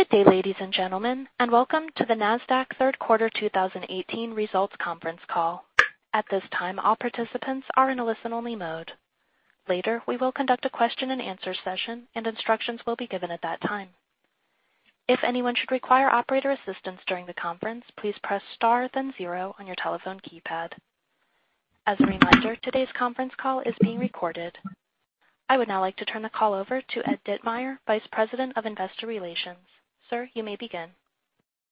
Good day, ladies and gentlemen. Welcome to the Nasdaq Third Quarter 2018 Results Conference Call. At this time, all participants are in a listen-only mode. Later, we will conduct a question and answer session and instructions will be given at that time. If anyone should require operator assistance during the conference, please press star then zero on your telephone keypad. As a reminder, today's conference call is being recorded. I would now like to turn the call over to Ed Ditmire, Vice President of Investor Relations. Sir, you may begin.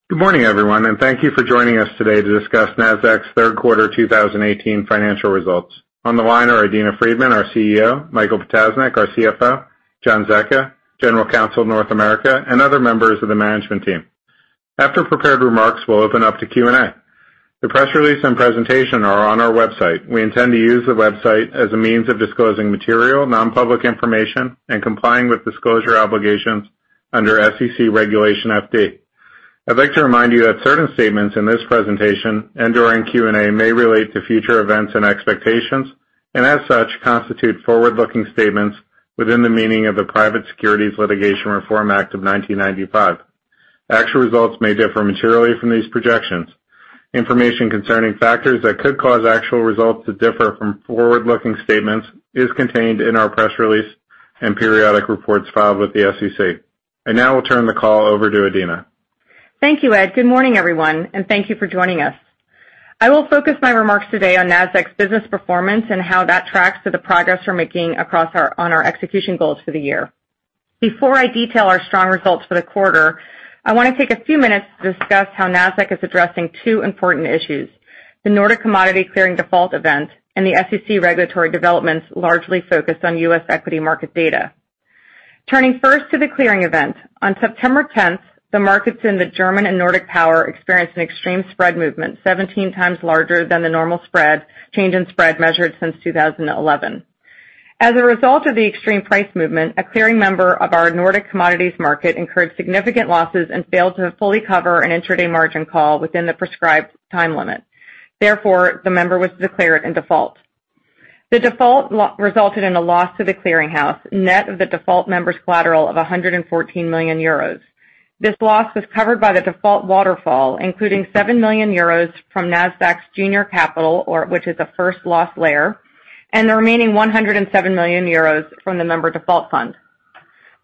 Good morning, everyone. Thank you for joining us today to discuss Nasdaq's third quarter 2018 financial results. On the line are Adena Friedman, our CEO; Michael Ptasznik, our CFO; John Zecca, General Counsel, North America; and other members of the management team. After prepared remarks, we'll open up to Q&A. The press release and presentation are on our website. We intend to use the website as a means of disclosing material, non-public information and complying with disclosure obligations under SEC Regulation FD. I'd like to remind you that certain statements in this presentation and during Q&A may relate to future events and expectations, and as such, constitute forward-looking statements within the meaning of the Private Securities Litigation Reform Act of 1995. Actual results may differ materially from these projections. Information concerning factors that could cause actual results to differ from forward-looking statements is contained in our press release and periodic reports filed with the SEC. I now will turn the call over to Adena. Thank you, Ed. Good morning, everyone. Thank you for joining us. I will focus my remarks today on Nasdaq's business performance and how that tracks to the progress we're making on our execution goals for the year. Before I detail our strong results for the quarter, I want to take a few minutes to discuss how Nasdaq is addressing two important issues, the Nordic Commodity clearing default event and the SEC regulatory developments largely focused on U.S. equity market data. Turning first to the clearing event. On September 10th, the markets in the German and Nordic power experienced an extreme spread movement 17 times larger than the normal change in spread measured since 2011. As a result of the extreme price movement, a clearing member of our Nordic commodities market incurred significant losses and failed to fully cover an intraday margin call within the prescribed time limit. Therefore, the member was declared in default. The default resulted in a loss to the clearing house, net of the default member's collateral of 114 million euros. This loss was covered by the default waterfall, including 7 million euros from Nasdaq's junior capital, which is a first loss layer, and the remaining 107 million euros from the member default fund.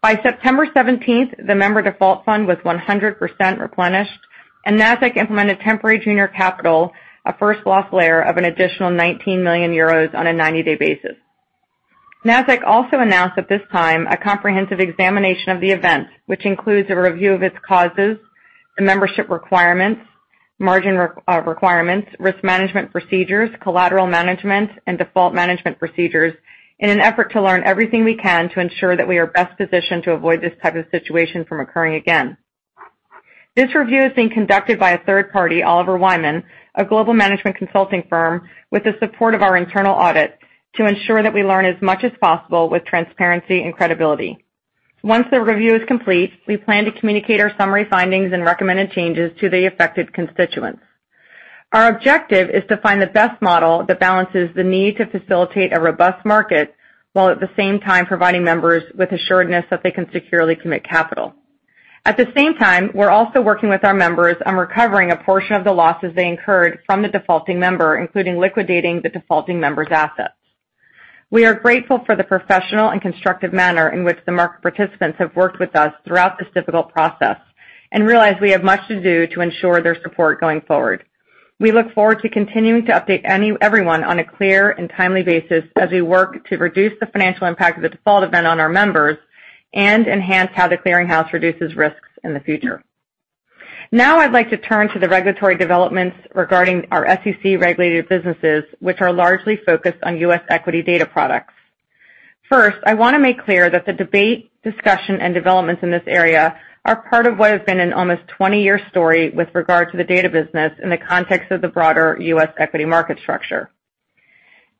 By September 17th, the member default fund was 100% replenished, and Nasdaq implemented temporary junior capital, a first loss layer of an additional 19 million euros on a 90-day basis. Nasdaq also announced at this time a comprehensive examination of the events, which includes a review of its causes, the membership requirements, margin requirements, risk management procedures, collateral management, and default management procedures in an effort to learn everything we can to ensure that we are best positioned to avoid this type of situation from occurring again. This review is being conducted by a third party, Oliver Wyman, a global management consulting firm, with the support of our internal audit to ensure that we learn as much as possible with transparency and credibility. Once the review is complete, we plan to communicate our summary findings and recommended changes to the affected constituents. Our objective is to find the best model that balances the need to facilitate a robust market, while at the same time providing members with assuredness that they can securely commit capital. At the same time, we're also working with our members on recovering a portion of the losses they incurred from the defaulting member, including liquidating the defaulting member's assets. We are grateful for the professional and constructive manner in which the market participants have worked with us throughout this difficult process and realize we have much to do to ensure their support going forward. We look forward to continuing to update everyone on a clear and timely basis as we work to reduce the financial impact of the default event on our members and enhance how the clearing house reduces risks in the future. Now, I'd like to turn to the regulatory developments regarding our SEC-regulated businesses, which are largely focused on U.S. equity data products. First, I want to make clear that the debate, discussion, and developments in this area are part of what has been an almost 20-year story with regard to the data business in the context of the broader U.S. equity market structure.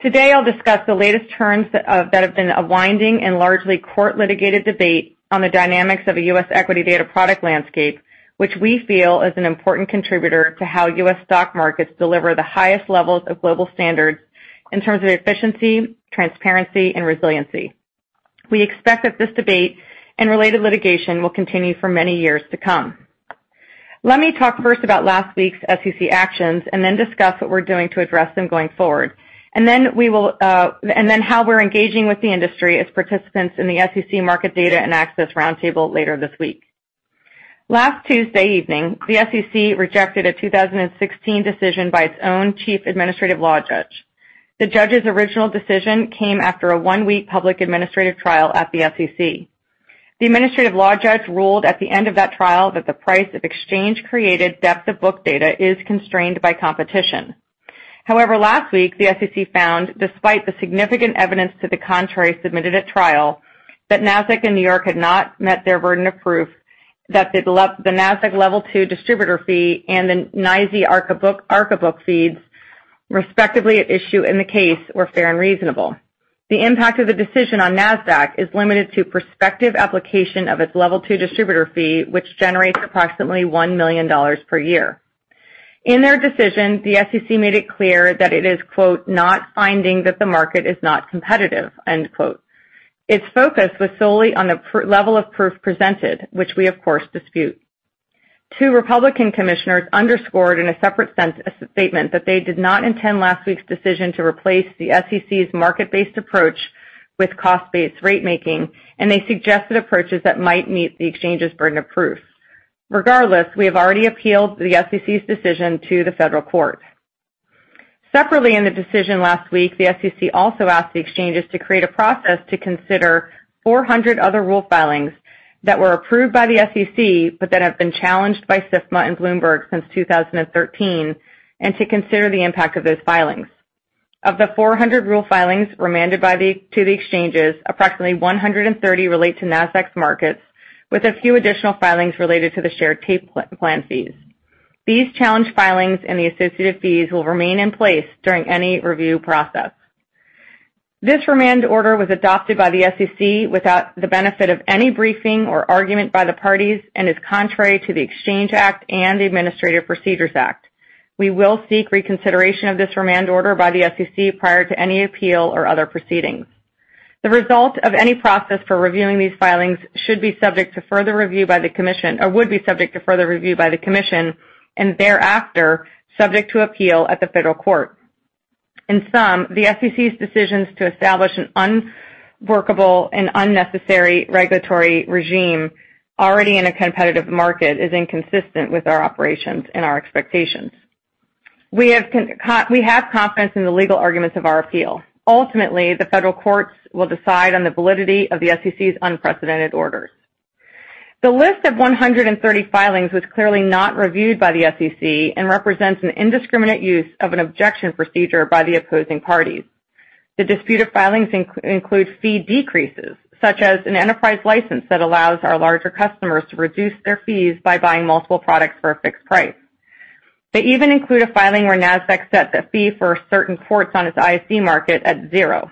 Today, I'll discuss the latest turns that have been a winding and largely court-litigated debate on the dynamics of a U.S. equity data product landscape, which we feel is an important contributor to how U.S. stock markets deliver the highest levels of global standards in terms of efficiency, transparency, and resiliency. We expect that this debate and related litigation will continue for many years to come. Let me talk first about last week's SEC actions and then discuss what we're doing to address them going forward, and then how we're engaging with the industry as participants in the SEC Market Data and Access Roundtable later this week. Last Tuesday evening, the SEC rejected a 2016 decision by its own Chief Administrative Law Judge. The judge's original decision came after a one-week public administrative trial at the SEC. The Administrative Law Judge ruled at the end of that trial that the price of exchange-created depth-of-book data is constrained by competition. However, last week, the SEC found, despite the significant evidence to the contrary submitted at trial, that Nasdaq and New York had not met their burden of proof that the Nasdaq Level 2 distributor fee and the NYSE ArcaBook feeds, respectively at issue in the case, were fair and reasonable. The impact of the decision on Nasdaq is limited to prospective application of its Level 2 distributor fee, which generates approximately $1 million per year. In their decision, the SEC made it clear that it is, quote, "Not finding that the market is not competitive." end quote. Its focus was solely on the level of proof presented, which we, of course, dispute. Two Republican commissioners underscored in a separate statement that they did not intend last week's decision to replace the SEC's market-based approach with cost-based rate making. They suggested approaches that might meet the exchange's burden of proof. Regardless, we have already appealed the SEC's decision to the federal court. Separately in the decision last week, the SEC also asked the exchanges to create a process to consider 400 other rule filings that were approved by the SEC, but that have been challenged by SIPC and Bloomberg since 2013, and to consider the impact of those filings. Of the 400 rule filings remanded to the exchanges, approximately 130 relate to Nasdaq's markets, with a few additional filings related to the shared tape plan fees. These challenged filings and the associated fees will remain in place during any review process. This remand order was adopted by the SEC without the benefit of any briefing or argument by the parties and is contrary to the Exchange Act and the Administrative Procedure Act. We will seek reconsideration of this remand order by the SEC prior to any appeal or other proceedings. The result of any process for reviewing these filings should be subject to further review by the commission, or would be subject to further review by the commission and thereafter, subject to appeal at the federal court. In sum, the SEC's decisions to establish an unworkable and unnecessary regulatory regime already in a competitive market is inconsistent with our operations and our expectations. We have confidence in the legal arguments of our appeal. Ultimately, the federal courts will decide on the validity of the SEC's unprecedented orders. The list of 130 filings was clearly not reviewed by the SEC and represents an indiscriminate use of an objection procedure by the opposing parties. The disputed filings include fee decreases, such as an enterprise license that allows our larger customers to reduce their fees by buying multiple products for a fixed price. They even include a filing where Nasdaq set the fee for certain ports on its ISE market at zero.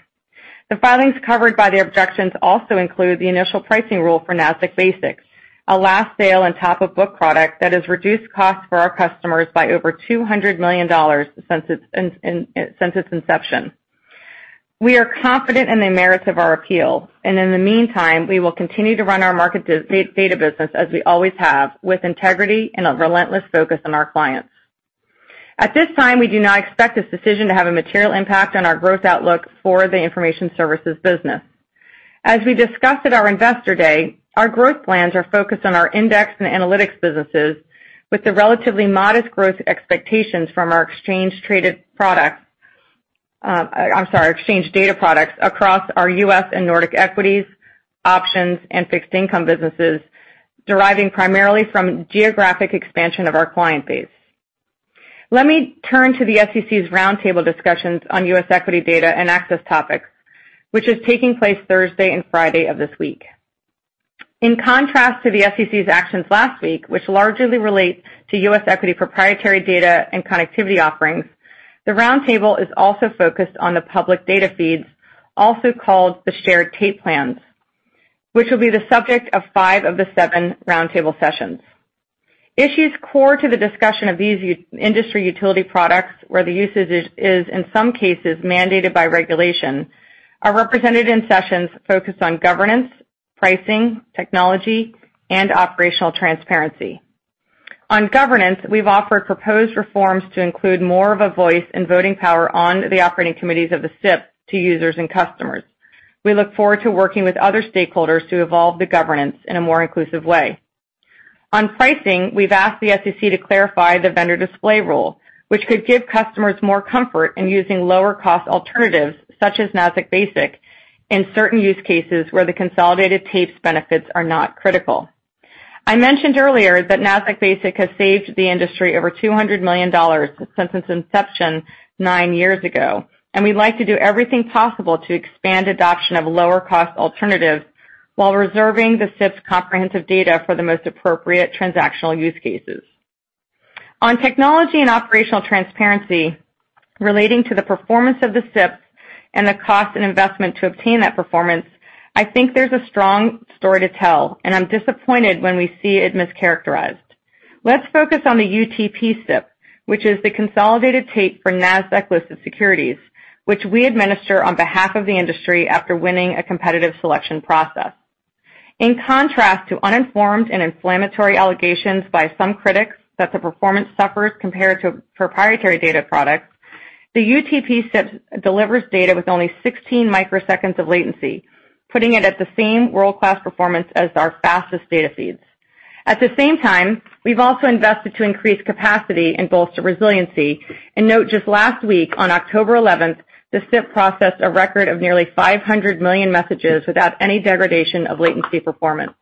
The filings covered by the objections also include the initial pricing rule for Nasdaq Basic, a last sale and top of book product that has reduced costs for our customers by over $200 million since its inception. We are confident in the merits of our appeal, and in the meantime, we will continue to run our market data business as we always have, with integrity and a relentless focus on our clients. At this time, we do not expect this decision to have a material impact on our growth outlook for the information services business. As we discussed at our investor day, our growth plans are focused on our index and analytics businesses, with the relatively modest growth expectations from our exchange traded products. I'm sorry, exchange data products across our U.S. and Nordic equities, options, and fixed income businesses deriving primarily from geographic expansion of our client base. Let me turn to the SEC's roundtable discussions on U.S. equity data and access topics, which is taking place Thursday and Friday of this week. In contrast to the SEC's actions last week, which largely relate to U.S. equity proprietary data and connectivity offerings, the roundtable is also focused on the public data feeds, also called the shared tape plans, which will be the subject of five of the seven roundtable sessions. Issues core to the discussion of these industry utility products where the usage is, in some cases, mandated by regulation, are represented in sessions focused on governance, pricing, technology, and operational transparency. On governance, we've offered proposed reforms to include more of a voice and voting power on the operating committees of the SIP to users and customers. We look forward to working with other stakeholders to evolve the governance in a more inclusive way. On pricing, we've asked the SEC to clarify the vendor display rule, which could give customers more comfort in using lower cost alternatives such as Nasdaq Basic in certain use cases where the consolidated tapes benefits are not critical. I mentioned earlier that Nasdaq Basic has saved the industry over $200 million since its inception nine years ago, and we'd like to do everything possible to expand adoption of lower cost alternatives while reserving the SIP's comprehensive data for the most appropriate transactional use cases. On technology and operational transparency relating to the performance of the SIP and the cost and investment to obtain that performance, I think there's a strong story to tell, and I'm disappointed when we see it mischaracterized. Let's focus on the UTP SIP, which is the consolidated tape for Nasdaq-listed securities, which we administer on behalf of the industry after winning a competitive selection process. In contrast to uninformed and inflammatory allegations by some critics that the performance suffers compared to proprietary data products, the UTP SIP delivers data with only 16 microseconds of latency, putting it at the same world-class performance as our fastest data feeds. At the same time, we've also invested to increase capacity and bolster resiliency. Note just last week, on October 11th, the SIP processed a record of nearly 500 million messages without any degradation of latency performance.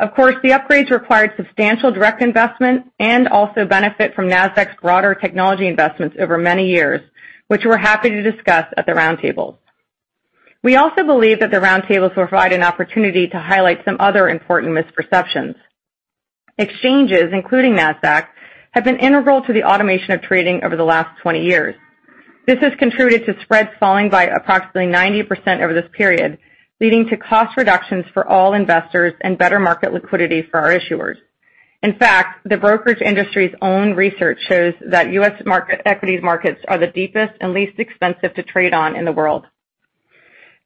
Of course, the upgrades required substantial direct investment and also benefit from Nasdaq's broader technology investments over many years, which we're happy to discuss at the roundtable. We also believe that the roundtable will provide an opportunity to highlight some other important misperceptions. Exchanges, including Nasdaq, have been integral to the automation of trading over the last 20 years. This has contributed to spreads falling by approximately 90% over this period, leading to cost reductions for all investors and better market liquidity for our issuers. In fact, the brokerage industry's own research shows that U.S. equities markets are the deepest and least expensive to trade on in the world.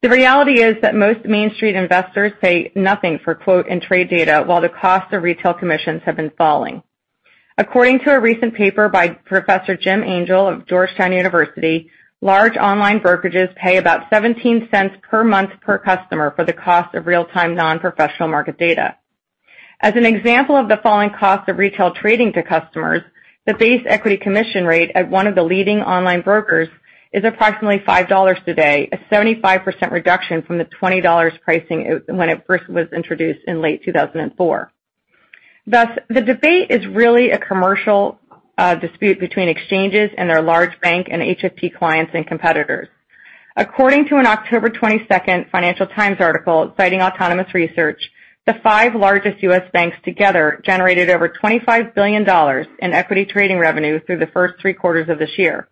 The reality is that most Main Street investors pay nothing for quote and trade data while the cost of retail commissions have been falling. According to a recent paper by Professor Jim Angel of Georgetown University, large online brokerages pay about 17 cents per month per customer for the cost of real-time non-professional market data. As an example of the falling cost of retail trading to customers, the base equity commission rate at one of the leading online brokers is approximately $5 today, a 75% reduction from the $20 pricing when it first was introduced in late 2004. Thus, the debate is really a commercial dispute between exchanges and their large bank and HFT clients and competitors. According to a October 22nd Financial Times article citing Autonomous Research, the five largest U.S. banks together generated over $25 billion in equity trading revenue through the first three quarters of this year.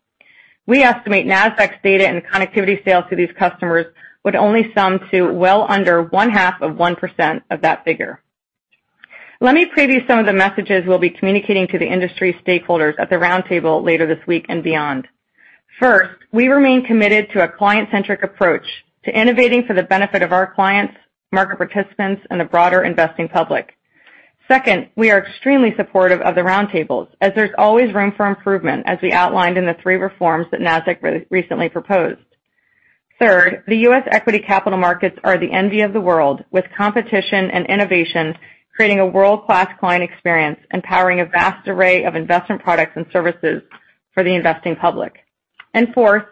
We estimate Nasdaq's data and connectivity sales to these customers would only sum to well under one-half of 1% of that figure. Let me preview some of the messages we'll be communicating to the industry stakeholders at the roundtable later this week and beyond. First, we remain committed to a client-centric approach to innovating for the benefit of our clients, market participants, and the broader investing public. Second, we are extremely supportive of the roundtables, as there's always room for improvement, as we outlined in the three reforms that Nasdaq recently proposed. Third, the U.S. equity capital markets are the envy of the world, with competition and innovation creating a world-class client experience and powering a vast array of investment products and services for the investing public. Fourth,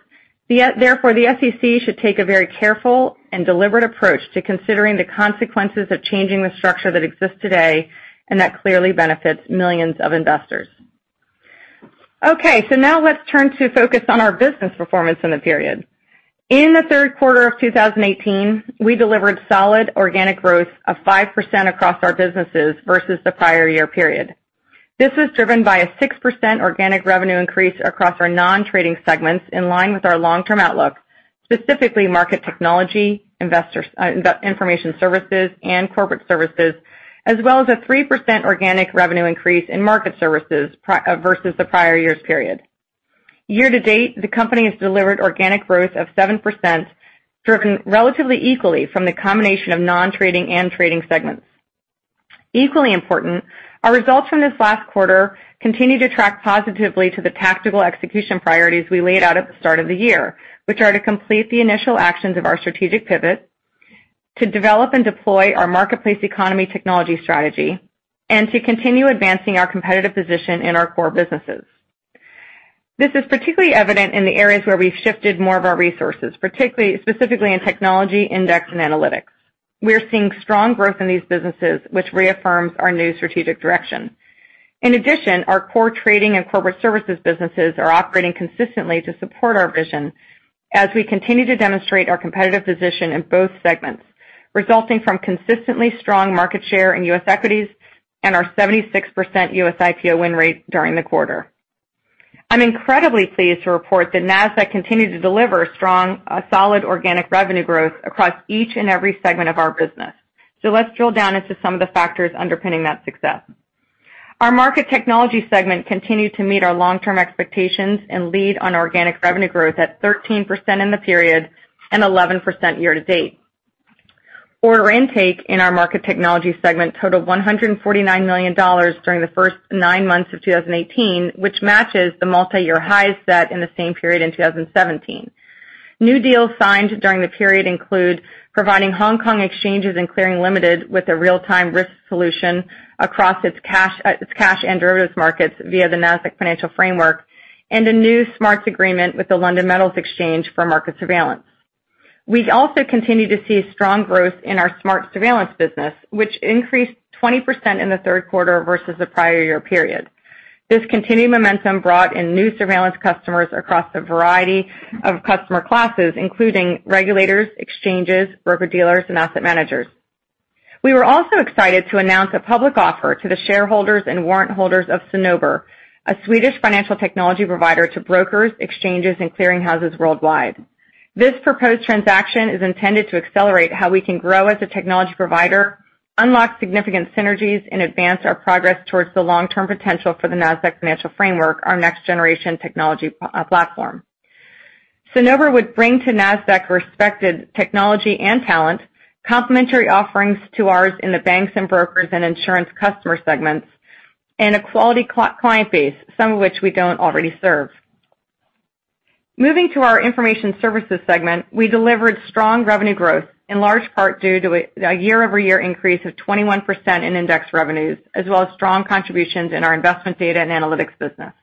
therefore, the SEC should take a very careful and deliberate approach to considering the consequences of changing the structure that exists today and that clearly benefits millions of investors. Okay, so now let's turn to focus on our business performance in the period. In the third quarter of 2018, we delivered solid organic growth of 5% across our businesses versus the prior year period. This was driven by a 6% organic revenue increase across our non-trading segments in line with our long-term outlook, specifically market technology, investor, information services, and corporate services, as well as a 3% organic revenue increase in market services versus the prior year's period. Year to date, the company has delivered organic growth of 7%, driven relatively equally from the combination of non-trading and trading segments. Equally important, our results from this last quarter continue to track positively to the tactical execution priorities we laid out at the start of the year, which are to complete the initial actions of our strategic pivot, to develop and deploy our marketplace economy technology strategy, and to continue advancing our competitive position in our core businesses. This is particularly evident in the areas where we've shifted more of our resources, particularly, specifically in technology, index, and analytics. We are seeing strong growth in these businesses, which reaffirms our new strategic direction. In addition, our core trading and corporate services businesses are operating consistently to support our vision as we continue to demonstrate our competitive position in both segments, resulting from consistently strong market share in U.S. equities and our 76% U.S. IPO win rate during the quarter. I'm incredibly pleased to report that Nasdaq continued to deliver strong, solid organic revenue growth across each and every segment of our business. Let's drill down into some of the factors underpinning that success. Our market technology segment continued to meet our long-term expectations and lead on organic revenue growth at 13% in the period and 11% year to date. Order intake in our market technology segment totaled $149 million during the first nine months of 2018, which matches the multiyear highs set in the same period in 2017. New deals signed during the period include providing Hong Kong Exchanges and Clearing Limited with a real-time risk solution across its cash and derivatives markets via the Nasdaq Financial Framework, and a new SMARTS agreement with the London Metal Exchange for market surveillance. We also continue to see strong growth in our SMARTS surveillance business, which increased 20% in the third quarter versus the prior year period. This continued momentum brought in new surveillance customers across a variety of customer classes, including regulators, exchanges, broker-dealers, and asset managers. We were also excited to announce a public offer to the shareholders and warrant holders of Cinnober, a Swedish financial technology provider to brokers, exchanges, and clearing houses worldwide. This proposed transaction is intended to accelerate how we can grow as a technology provider, unlock significant synergies, and advance our progress towards the long-term potential for the Nasdaq Financial Framework, our next-generation technology platform. Cinnober would bring to Nasdaq respected technology and talent, complementary offerings to ours in the banks and brokers and insurance customer segments, and a quality client base, some of which we don't already serve. Moving to our information services segment, we delivered strong revenue growth, in large part due to a year-over-year increase of 21% in index revenues, as well as strong contributions in our investment data and analytics business.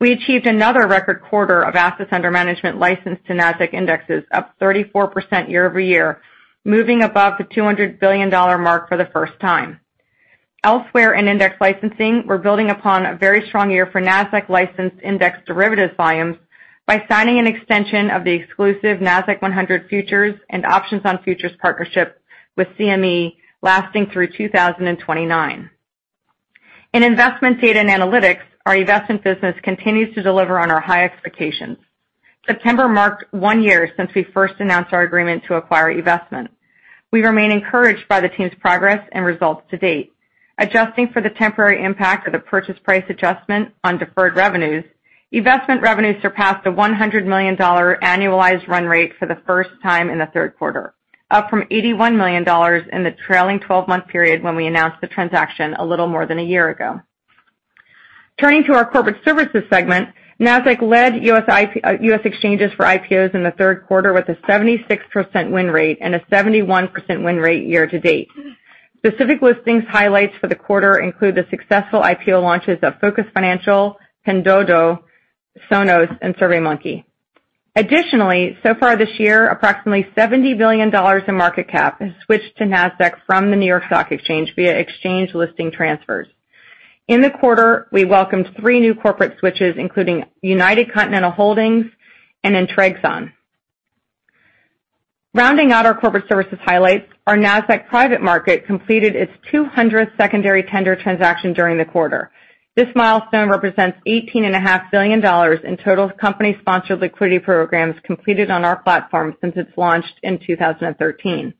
We achieved another record quarter of assets under management licensed to Nasdaq indexes, up 34% year-over-year, moving above the $200 billion mark for the first time. Elsewhere in index licensing, we're building upon a very strong year for Nasdaq-licensed index derivatives volumes by signing an extension of the exclusive Nasdaq-100 futures and options on futures partnership with CME lasting through 2029. In investment data and analytics, our eVestment business continues to deliver on our high expectations. September marked one year since we first announced our agreement to acquire eVestment. We remain encouraged by the team's progress and results to date. Adjusting for the temporary impact of the purchase price adjustment on deferred revenues, eVestment revenues surpassed a $100 million annualized run rate for the first time in the third quarter, up from $81 million in the trailing 12-month period when we announced the transaction a little more than a year ago. Turning to our corporate services segment, Nasdaq led US exchanges for IPOs in the third quarter with a 76% win rate and a 71% win rate year to date. Specific listings highlights for the quarter include the successful IPO launches of Focus Financial, Pinduoduo, Sonos, and SurveyMonkey. Additionally, so far this year, approximately $70 billion in market cap has switched to Nasdaq from the New York Stock Exchange via exchange listing transfers. In the quarter, we welcomed three new corporate switches, including United Continental Holdings and Intrexon. Rounding out our corporate services highlights, our Nasdaq Private Market completed its 200th secondary tender transaction during the quarter. This milestone represents $18.5 billion in total company-sponsored liquidity programs completed on our platform since its launch in 2013.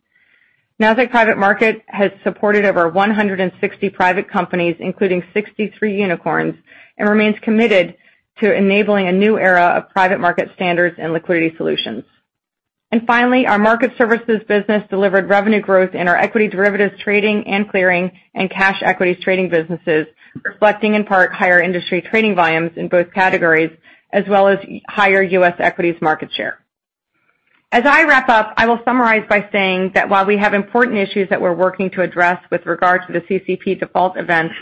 Nasdaq Private Market has supported over 160 private companies, including 63 unicorns, and remains committed to enabling a new era of private market standards and liquidity solutions. Finally, our market services business delivered revenue growth in our equity derivatives trading and clearing and cash equities trading businesses, reflecting in part higher industry trading volumes in both categories, as well as higher US equities market share. As I wrap up, I will summarize by saying that while we have important issues that we're working to address with regard to the CCP default event,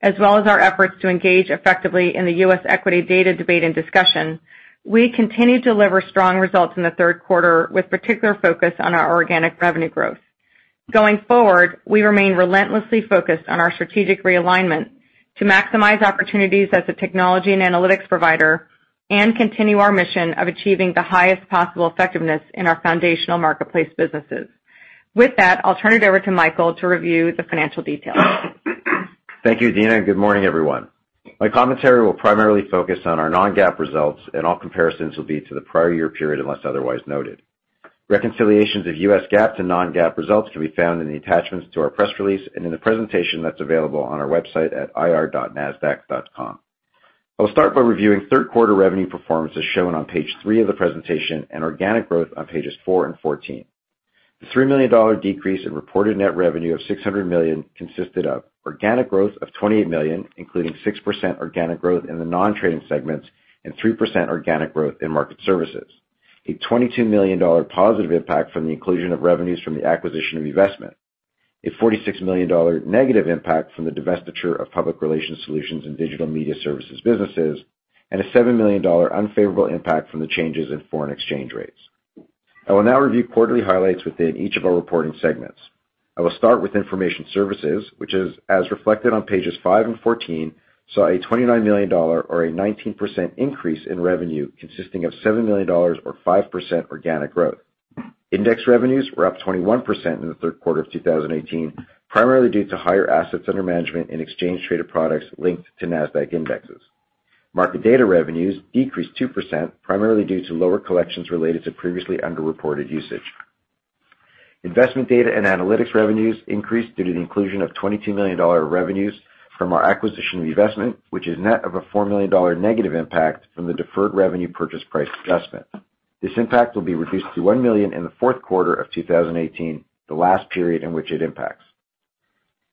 as well as our efforts to engage effectively in the US equity data debate and discussion, we continue to deliver strong results in the third quarter, with particular focus on our organic revenue growth. Going forward, we remain relentlessly focused on our strategic realignment to maximize opportunities as a technology and analytics provider and continue our mission of achieving the highest possible effectiveness in our foundational marketplace businesses. With that, I'll turn it over to Michael to review the financial details. Thank you, Adena, and good morning, everyone. My commentary will primarily focus on our non-GAAP results, and all comparisons will be to the prior year period unless otherwise noted. Reconciliations of U.S. GAAP to non-GAAP results can be found in the attachments to our press release and in the presentation that's available on our website at ir.nasdaq.com. I'll start by reviewing third quarter revenue performance as shown on page three of the presentation and organic growth on pages four and 14. The $3 million decrease in reported net revenue of $600 million consisted of organic growth of $28 million, including 6% organic growth in the non-trading segments and 3% organic growth in market services. A $22 million positive impact from the inclusion of revenues from the acquisition of eVestment. A $46 million negative impact from the divestiture of public relations solutions and digital media services businesses, and a $7 million unfavorable impact from the changes in foreign exchange rates. I will now review quarterly highlights within each of our reporting segments. I will start with information services, which is as reflected on pages five and 14, saw a $29 million or a 19% increase in revenue consisting of $7 million or 5% organic growth. Index revenues were up 21% in the third quarter of 2018, primarily due to higher assets under management in exchange traded products linked to Nasdaq indexes. Market data revenues decreased 2%, primarily due to lower collections related to previously underreported usage. Investment data and analytics revenues increased due to the inclusion of $22 million revenues from our acquisition of eVestment, which is net of a $4 million negative impact from the deferred revenue purchase price adjustment. This impact will be reduced to $1 million in the fourth quarter of 2018, the last period in which it impacts.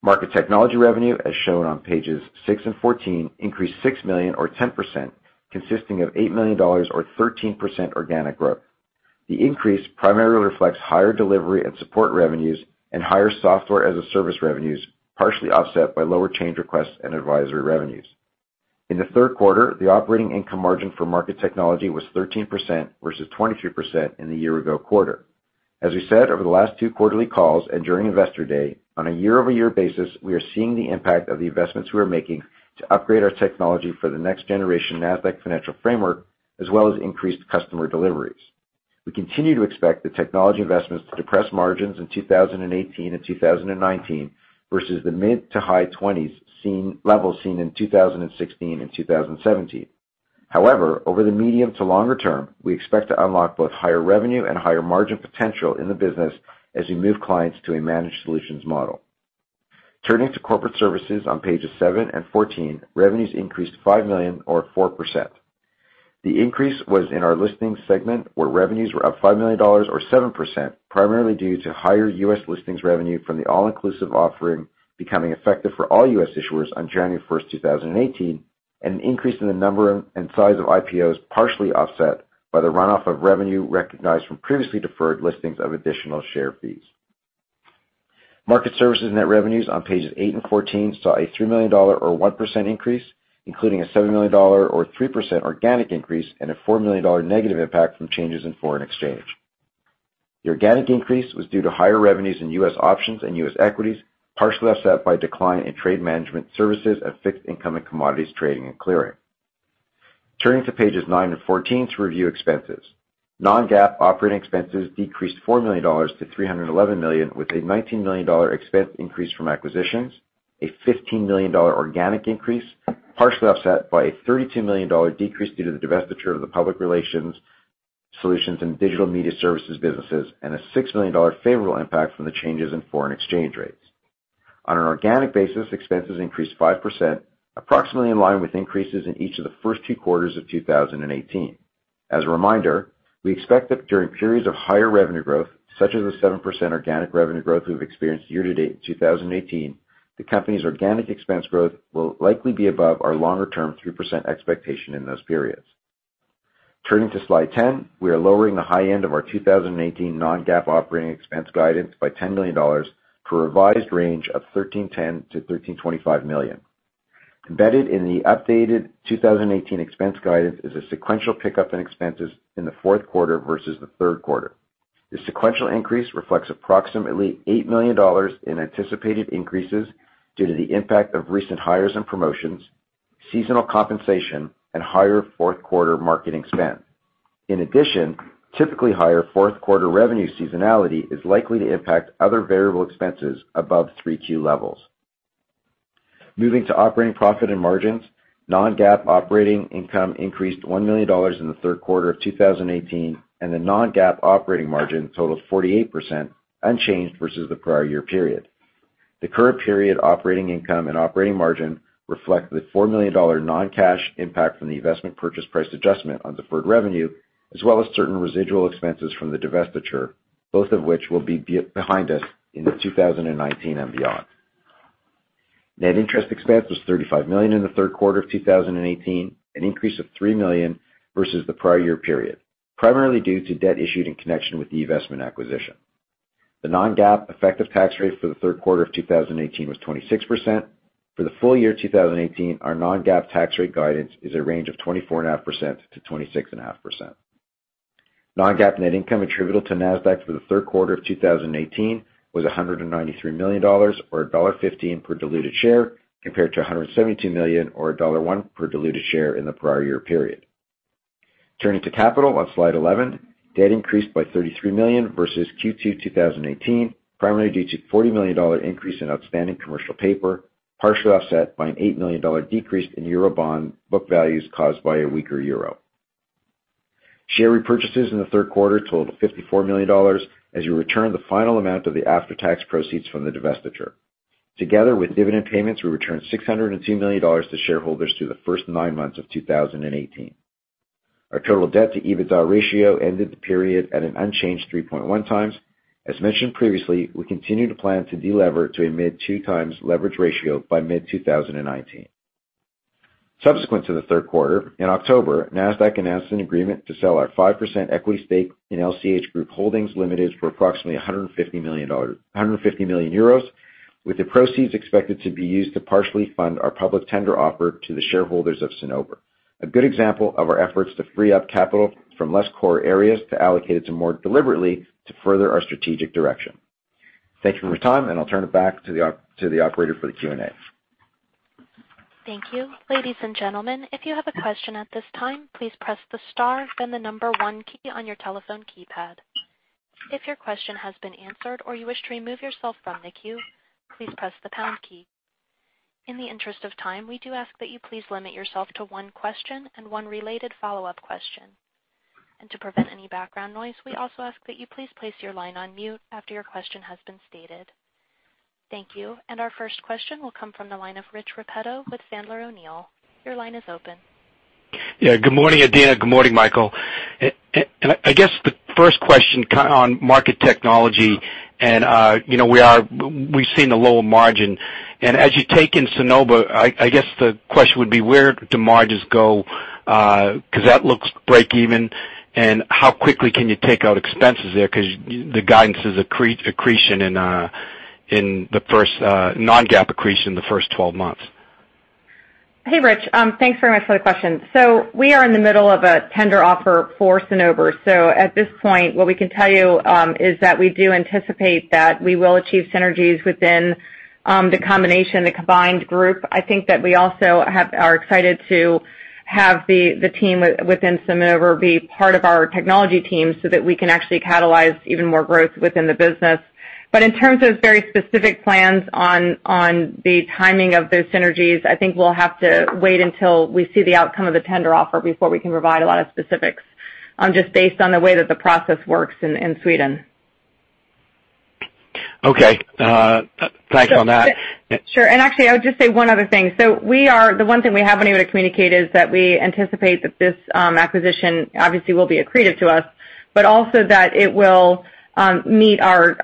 Market technology revenue, as shown on pages six and 14, increased $6 million or 10%, consisting of $8 million or 13% organic growth. The increase primarily reflects higher delivery and support revenues and higher software as a service revenues, partially offset by lower change requests and advisory revenues. In the third quarter, the operating income margin for market technology was 13% versus 22% in the year ago quarter. As we said over the last two quarterly calls and during Investor Day, on a year-over-year basis, we are seeing the impact of the investments we are making to upgrade our technology for the next generation Nasdaq Financial Framework, as well as increased customer deliveries. We continue to expect the technology investments to depress margins in 2018 and 2019 versus the mid to high 20s levels seen in 2016 and 2017. However, over the medium to longer term, we expect to unlock both higher revenue and higher margin potential in the business as we move clients to a managed solutions model. Turning to corporate services on pages seven and 14, revenues increased $5 million or 4%. The increase was in our listings segment, where revenues were up $5 million or 7%, primarily due to higher U.S. listings revenue from the all-inclusive offering becoming effective for all U.S. issuers on January 1st, 2018, and an increase in the number and size of IPOs, partially offset by the runoff of revenue recognized from previously deferred listings of additional share fees. Market services net revenues on pages eight and 14 saw a $3 million or 1% increase, including a $7 million or 3% organic increase and a $4 million negative impact from changes in foreign exchange. The organic increase was due to higher revenues in U.S. options and U.S. equities, partially offset by decline in trade management services of fixed income and commodities trading and clearing. Turning to pages 9 and 14 to review expenses. Non-GAAP operating expenses decreased $4 million to $311 million, with a $19 million expense increase from acquisitions, a $15 million organic increase, partially offset by a $32 million decrease due to the divestiture of the public relations solutions and digital media services businesses, and a $6 million favorable impact from the changes in foreign exchange rates. On an organic basis, expenses increased 5%, approximately in line with increases in each of the first two quarters of 2018. As a reminder, we expect that during periods of higher revenue growth, such as the 7% organic revenue growth we've experienced year-to-date in 2018, the company's organic expense growth will likely be above our longer-term 3% expectation in those periods. Turning to slide 10, we are lowering the high end of our 2018 non-GAAP operating expense guidance by $10 million for a revised range of $1,310 million-$1,325 million. Embedded in the updated 2018 expense guidance is a sequential pickup in expenses in the fourth quarter versus the third quarter. The sequential increase reflects approximately $8 million in anticipated increases due to the impact of recent hires and promotions, seasonal compensation, and higher fourth-quarter marketing spend. In addition, typically higher fourth-quarter revenue seasonality is likely to impact other variable expenses above 3Q levels. Moving to operating profit and margins. Non-GAAP operating income increased $1 million in the third quarter of 2018, and the non-GAAP operating margin totaled 48%, unchanged versus the prior year period. The current period operating income and operating margin reflect the $4 million non-cash impact from the eVestment purchase price adjustment on deferred revenue, as well as certain residual expenses from the divestiture, both of which will be behind us in 2019 and beyond. Net interest expense was $35 million in the third quarter of 2018, an increase of $3 million versus the prior year period, primarily due to debt issued in connection with the eVestment acquisition. The non-GAAP effective tax rate for the third quarter of 2018 was 26%. For the full year 2018, our non-GAAP tax rate guidance is a range of 24.5%-26.5%. Non-GAAP net income attributable to Nasdaq for the third quarter of 2018 was $193 million, or $1.15 per diluted share, compared to $172 million or $1.1 per diluted share in the prior year period. Turning to capital on slide 11, debt increased by $33 million versus Q2 2018, primarily due to a $40 million increase in outstanding commercial paper, partially offset by an $8 million decrease in eurobond book values caused by a weaker EUR. Share repurchases in the third quarter totaled $54 million as we returned the final amount of the after-tax proceeds from the divestiture. Together with dividend payments, we returned $602 million to shareholders through the first nine months of 2018. Our total debt-to-EBITDA ratio ended the period at an unchanged 3.1 times. As mentioned previously, we continue to plan to de-lever to a mid-two times leverage ratio by mid-2019. Subsequent to the third quarter, in October, Nasdaq announced an agreement to sell our 5% equity stake in LCH Group Holdings Limited for approximately €150 million, with the proceeds expected to be used to partially fund our public tender offer to the shareholders of Cinnober. A good example of our efforts to free up capital from less core areas to allocate it to more deliberately to further our strategic direction. Thank you for your time, and I'll turn it back to the operator for the Q&A. Thank you. Ladies and gentlemen, if you have a question at this time, please press the star then the number one key on your telephone keypad. If your question has been answered or you wish to remove yourself from the queue, please press the pound key. In the interest of time, we do ask that you please limit yourself to one question and one related follow-up question. To prevent any background noise, we also ask that you please place your line on mute after your question has been stated. Thank you. Our first question will come from the line of Rich Repetto with Sandler O'Neill. Your line is open. Yeah. Good morning, Adena. Good morning, Michael. I guess the first question on market technology, and we've seen a lower margin. As you take in Cinnober, I guess the question would be, where do margins go? Because that looks break even, and how quickly can you take out expenses there? Because the guidance is non-GAAP accretion in the first 12 months. Hey, Rich. Thanks very much for the question. We are in the middle of a tender offer for Cinnober. At this point, what we can tell you is that we do anticipate that we will achieve synergies within the combination, the combined group. I think that we also are excited to have the team within Cinnober be part of our technology team so that we can actually catalyze even more growth within the business. In terms of very specific plans on the timing of those synergies, I think we'll have to wait until we see the outcome of the tender offer before we can provide a lot of specifics, just based on the way that the process works in Sweden. Okay. Thanks on that. Sure. Actually, I would just say one other thing. The one thing we have been able to communicate is that we anticipate that this acquisition obviously will be accretive to us, but also that it will meet our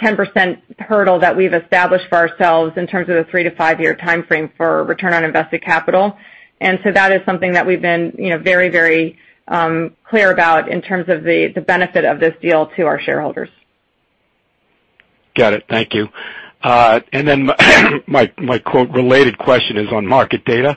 10% hurdle that we've established for ourselves in terms of the three to five-year timeframe for return on invested capital. That is something that we've been very clear about in terms of the benefit of this deal to our shareholders. Got it. Thank you. My quote related question is on market data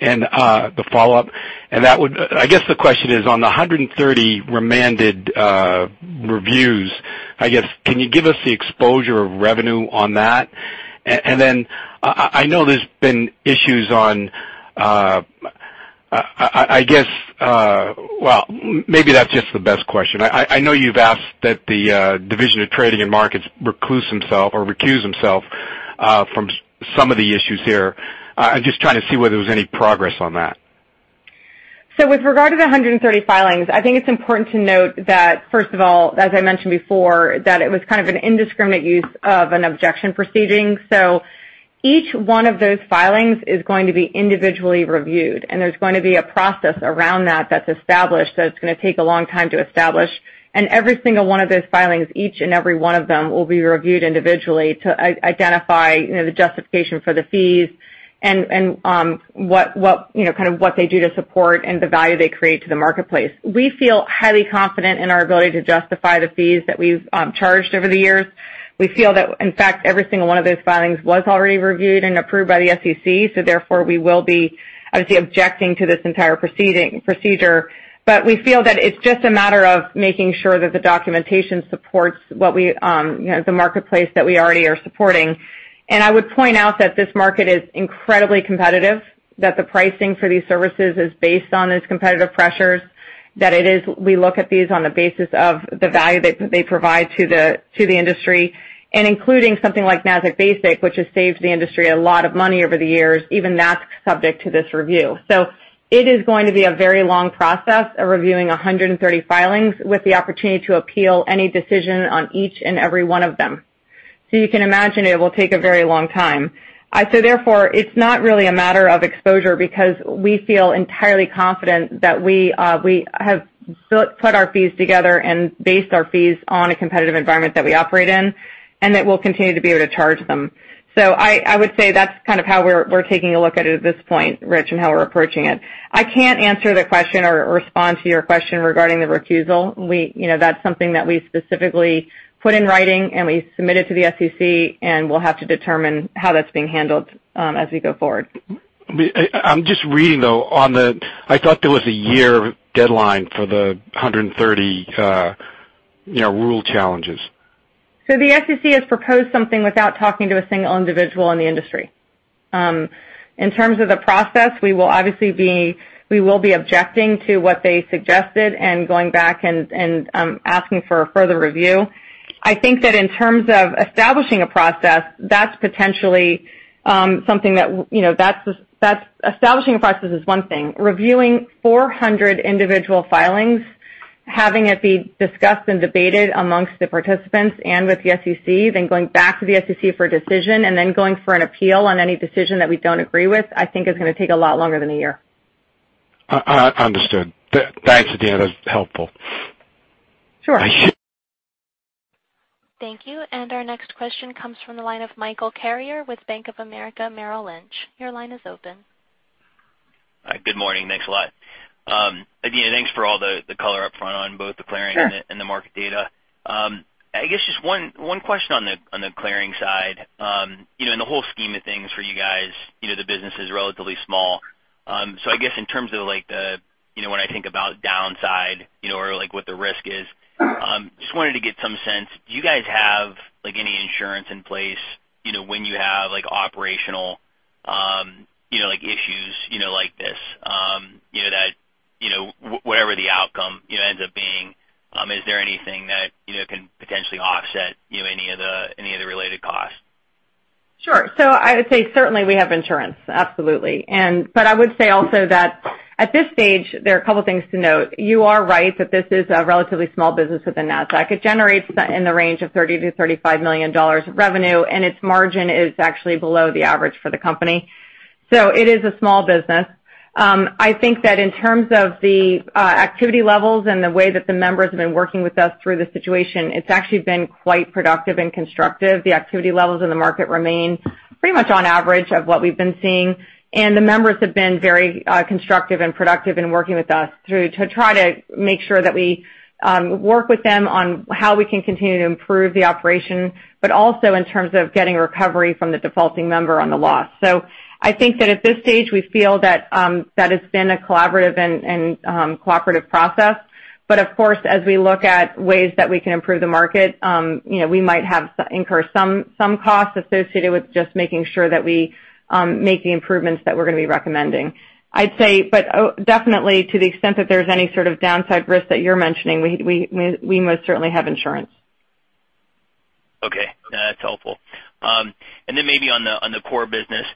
and the follow-up. I guess the question is on the 130 remanded reviews. I guess, can you give us the exposure of revenue on that? I know there's been issues on, well, maybe that's just the best question. I know you've asked that the Division of Trading and Markets recuse themselves from some of the issues here. I'm just trying to see whether there was any progress on that. With regard to the 130 filings, I think it's important to note that, first of all, as I mentioned before, that it was kind of an indiscriminate use of an objection proceeding. Each one of those filings is going to be individually reviewed, and there's going to be a process around that that's established, that it's going to take a long time to establish. Every single one of those filings, each and every one of them, will be reviewed individually to identify the justification for the fees and kind of what they do to support and the value they create to the marketplace. We feel highly confident in our ability to justify the fees that we've charged over the years. We feel that, in fact, every single one of those filings was already reviewed and approved by the SEC. we will be, obviously, objecting to this entire procedure. we feel that it's just a matter of making sure that the documentation supports the marketplace that we already are supporting. I would point out that this market is incredibly competitive, that the pricing for these services is based on those competitive pressures, that we look at these on the basis of the value that they provide to the industry, and including something like Nasdaq Basic, which has saved the industry a lot of money over the years, even that's subject to this review. it is going to be a very long process of reviewing 130 filings with the opportunity to appeal any decision on each and every one of them. you can imagine it will take a very long time. it's not really a matter of exposure because we feel entirely confident that we have put our fees together and based our fees on a competitive environment that we operate in, and that we'll continue to be able to charge them. I would say that's kind of how we're taking a look at it at this point, Rich, and how we're approaching it. I can't answer the question or respond to your question regarding the recusal. That's something that we specifically put in writing, and we submitted to the SEC, and we'll have to determine how that's being handled as we go forward. I'm just reading, though, I thought there was a year deadline for the 130 rule challenges. The SEC has proposed something without talking to a single individual in the industry. In terms of the process, we will obviously be objecting to what they suggested and going back and asking for a further review. I think that in terms of establishing a process, that's potentially something that Establishing a process is one thing. Reviewing 400 individual filings, having it be discussed and debated amongst the participants and with the SEC, then going back to the SEC for a decision, and then going for an appeal on any decision that we don't agree with, I think is going to take a lot longer than a year. Understood. Thanks, Adena. That's helpful. Sure. Thank you. Our next question comes from the line of Michael Carrier with Bank of America Merrill Lynch. Your line is open. Hi. Good morning. Thanks a lot. Adena, thanks for all the color up front on both the clearing- Sure the market data. I guess just one question on the clearing side. In the whole scheme of things for you guys, the business is relatively small. I guess in terms of when I think about downside, or what the risk is, just wanted to get some sense, do you guys have any insurance in place when you have operational issues like this? Whatever the outcome ends up being, is there anything that can potentially offset any of the related costs? Sure. I would say, certainly, we have insurance. Absolutely. I would say also that at this stage, there are a couple of things to note. You are right that this is a relatively small business within Nasdaq. It generates in the range of $30 million-$35 million of revenue, and its margin is actually below the average for the company. It is a small business. I think that in terms of the activity levels and the way that the members have been working with us through this situation, it's actually been quite productive and constructive. The activity levels in the market remain pretty much on average of what we've been seeing, and the members have been very constructive and productive in working with us to try to make sure that we work with them on how we can continue to improve the operation, but also in terms of getting recovery from the defaulting member on the loss. So I think that at this stage, we feel that it's been a collaborative and cooperative process. But of course, as we look at ways that we can improve the market, we might incur some costs associated with just making sure that we make the improvements that we're going to be recommending. I'd say, but definitely to the extent that there's any sort of downside risk that you're mentioning, we most certainly have insurance. Okay. That's helpful. Then maybe on the core business,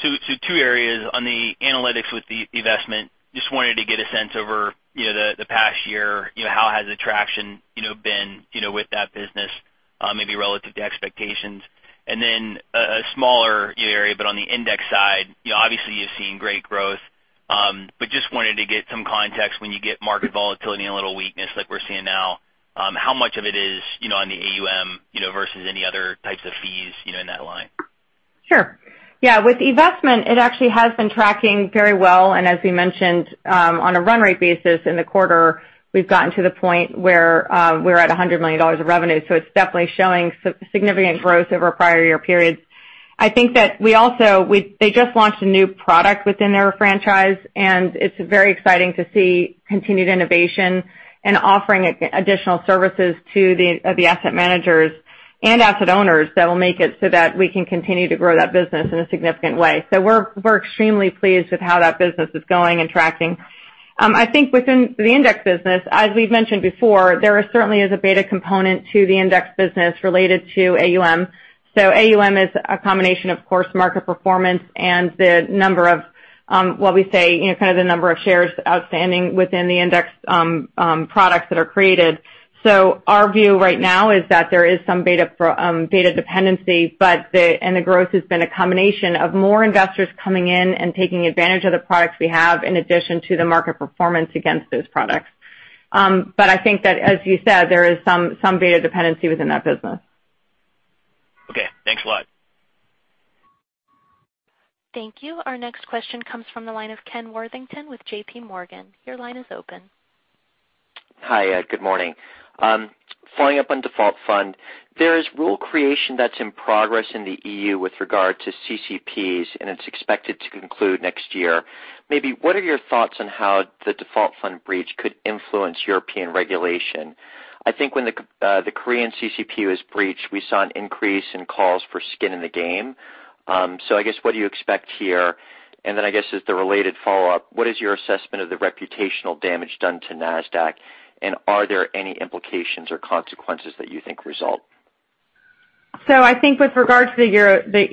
so two areas on the analytics with the eVestment. Just wanted to get a sense over the past year, how has the traction been with that business, maybe relative to expectations? And then a smaller area, but on the index side, obviously you're seeing great growth. But just wanted to get some context when you get market volatility and a little weakness like we're seeing now, how much of it is on the AUM versus any other types of fees in that line? Sure. Yeah. With eVestment, it actually has been tracking very well, and as we mentioned, on a run rate basis in the quarter, we've gotten to the point where we're at $100 million of revenue. So it's definitely showing significant growth over prior year periods. I think that they just launched a new product within their franchise, and it's very exciting to see continued innovation and offering additional services to the asset managers and asset owners that will make it so that we can continue to grow that business in a significant way. So we're extremely pleased with how that business is going and tracking. I think within the index business, as we've mentioned before, there are certainly is a beta component to the index business related to AUM. AUM is a combination, of course, market performance and the number of what we say, kind of the number of shares outstanding within the index products that are created. Our view right now is that there is some beta dependency, and the growth has been a combination of more investors coming in and taking advantage of the products we have in addition to the market performance against those products. I think that as you said, there is some beta dependency within that business. Okay. Thanks a lot. Thank you. Our next question comes from the line of Ken Worthington with JPMorgan. Your line is open. Hi, Ed. Good morning. Following up on default fund, there is rule creation that's in progress in the EU with regard to CCPs, and it's expected to conclude next year. What are your thoughts on how the default fund breach could influence European regulation? I think when the Korean CCP was breached, we saw an increase in calls for skin in the game. I guess, what do you expect here? I guess as the related follow-up, what is your assessment of the reputational damage done to Nasdaq, and are there any implications or consequences that you think result? I think with regard to the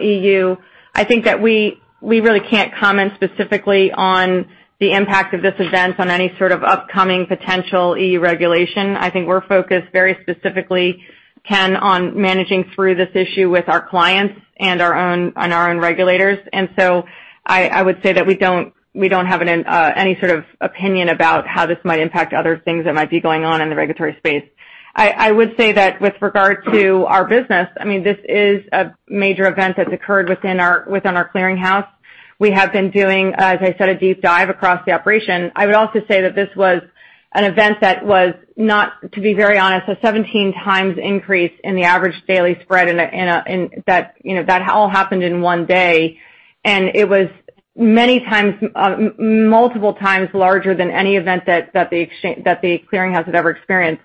EU, I think that we really can't comment specifically on the impact of this event on any sort of upcoming potential EU regulation. I think we're focused very specifically, Ken, on managing through this issue with our clients and our own regulators. I would say that we don't have any sort of opinion about how this might impact other things that might be going on in the regulatory space. I would say that with regard to our business, this is a major event that's occurred within our clearinghouse. We have been doing, as I said, a deep dive across the operation. I would also say that this was an event that was not, to be very honest, a 17 times increase in the average daily spread, that all happened in one day, and it was multiple times larger than any event that the clearinghouse had ever experienced.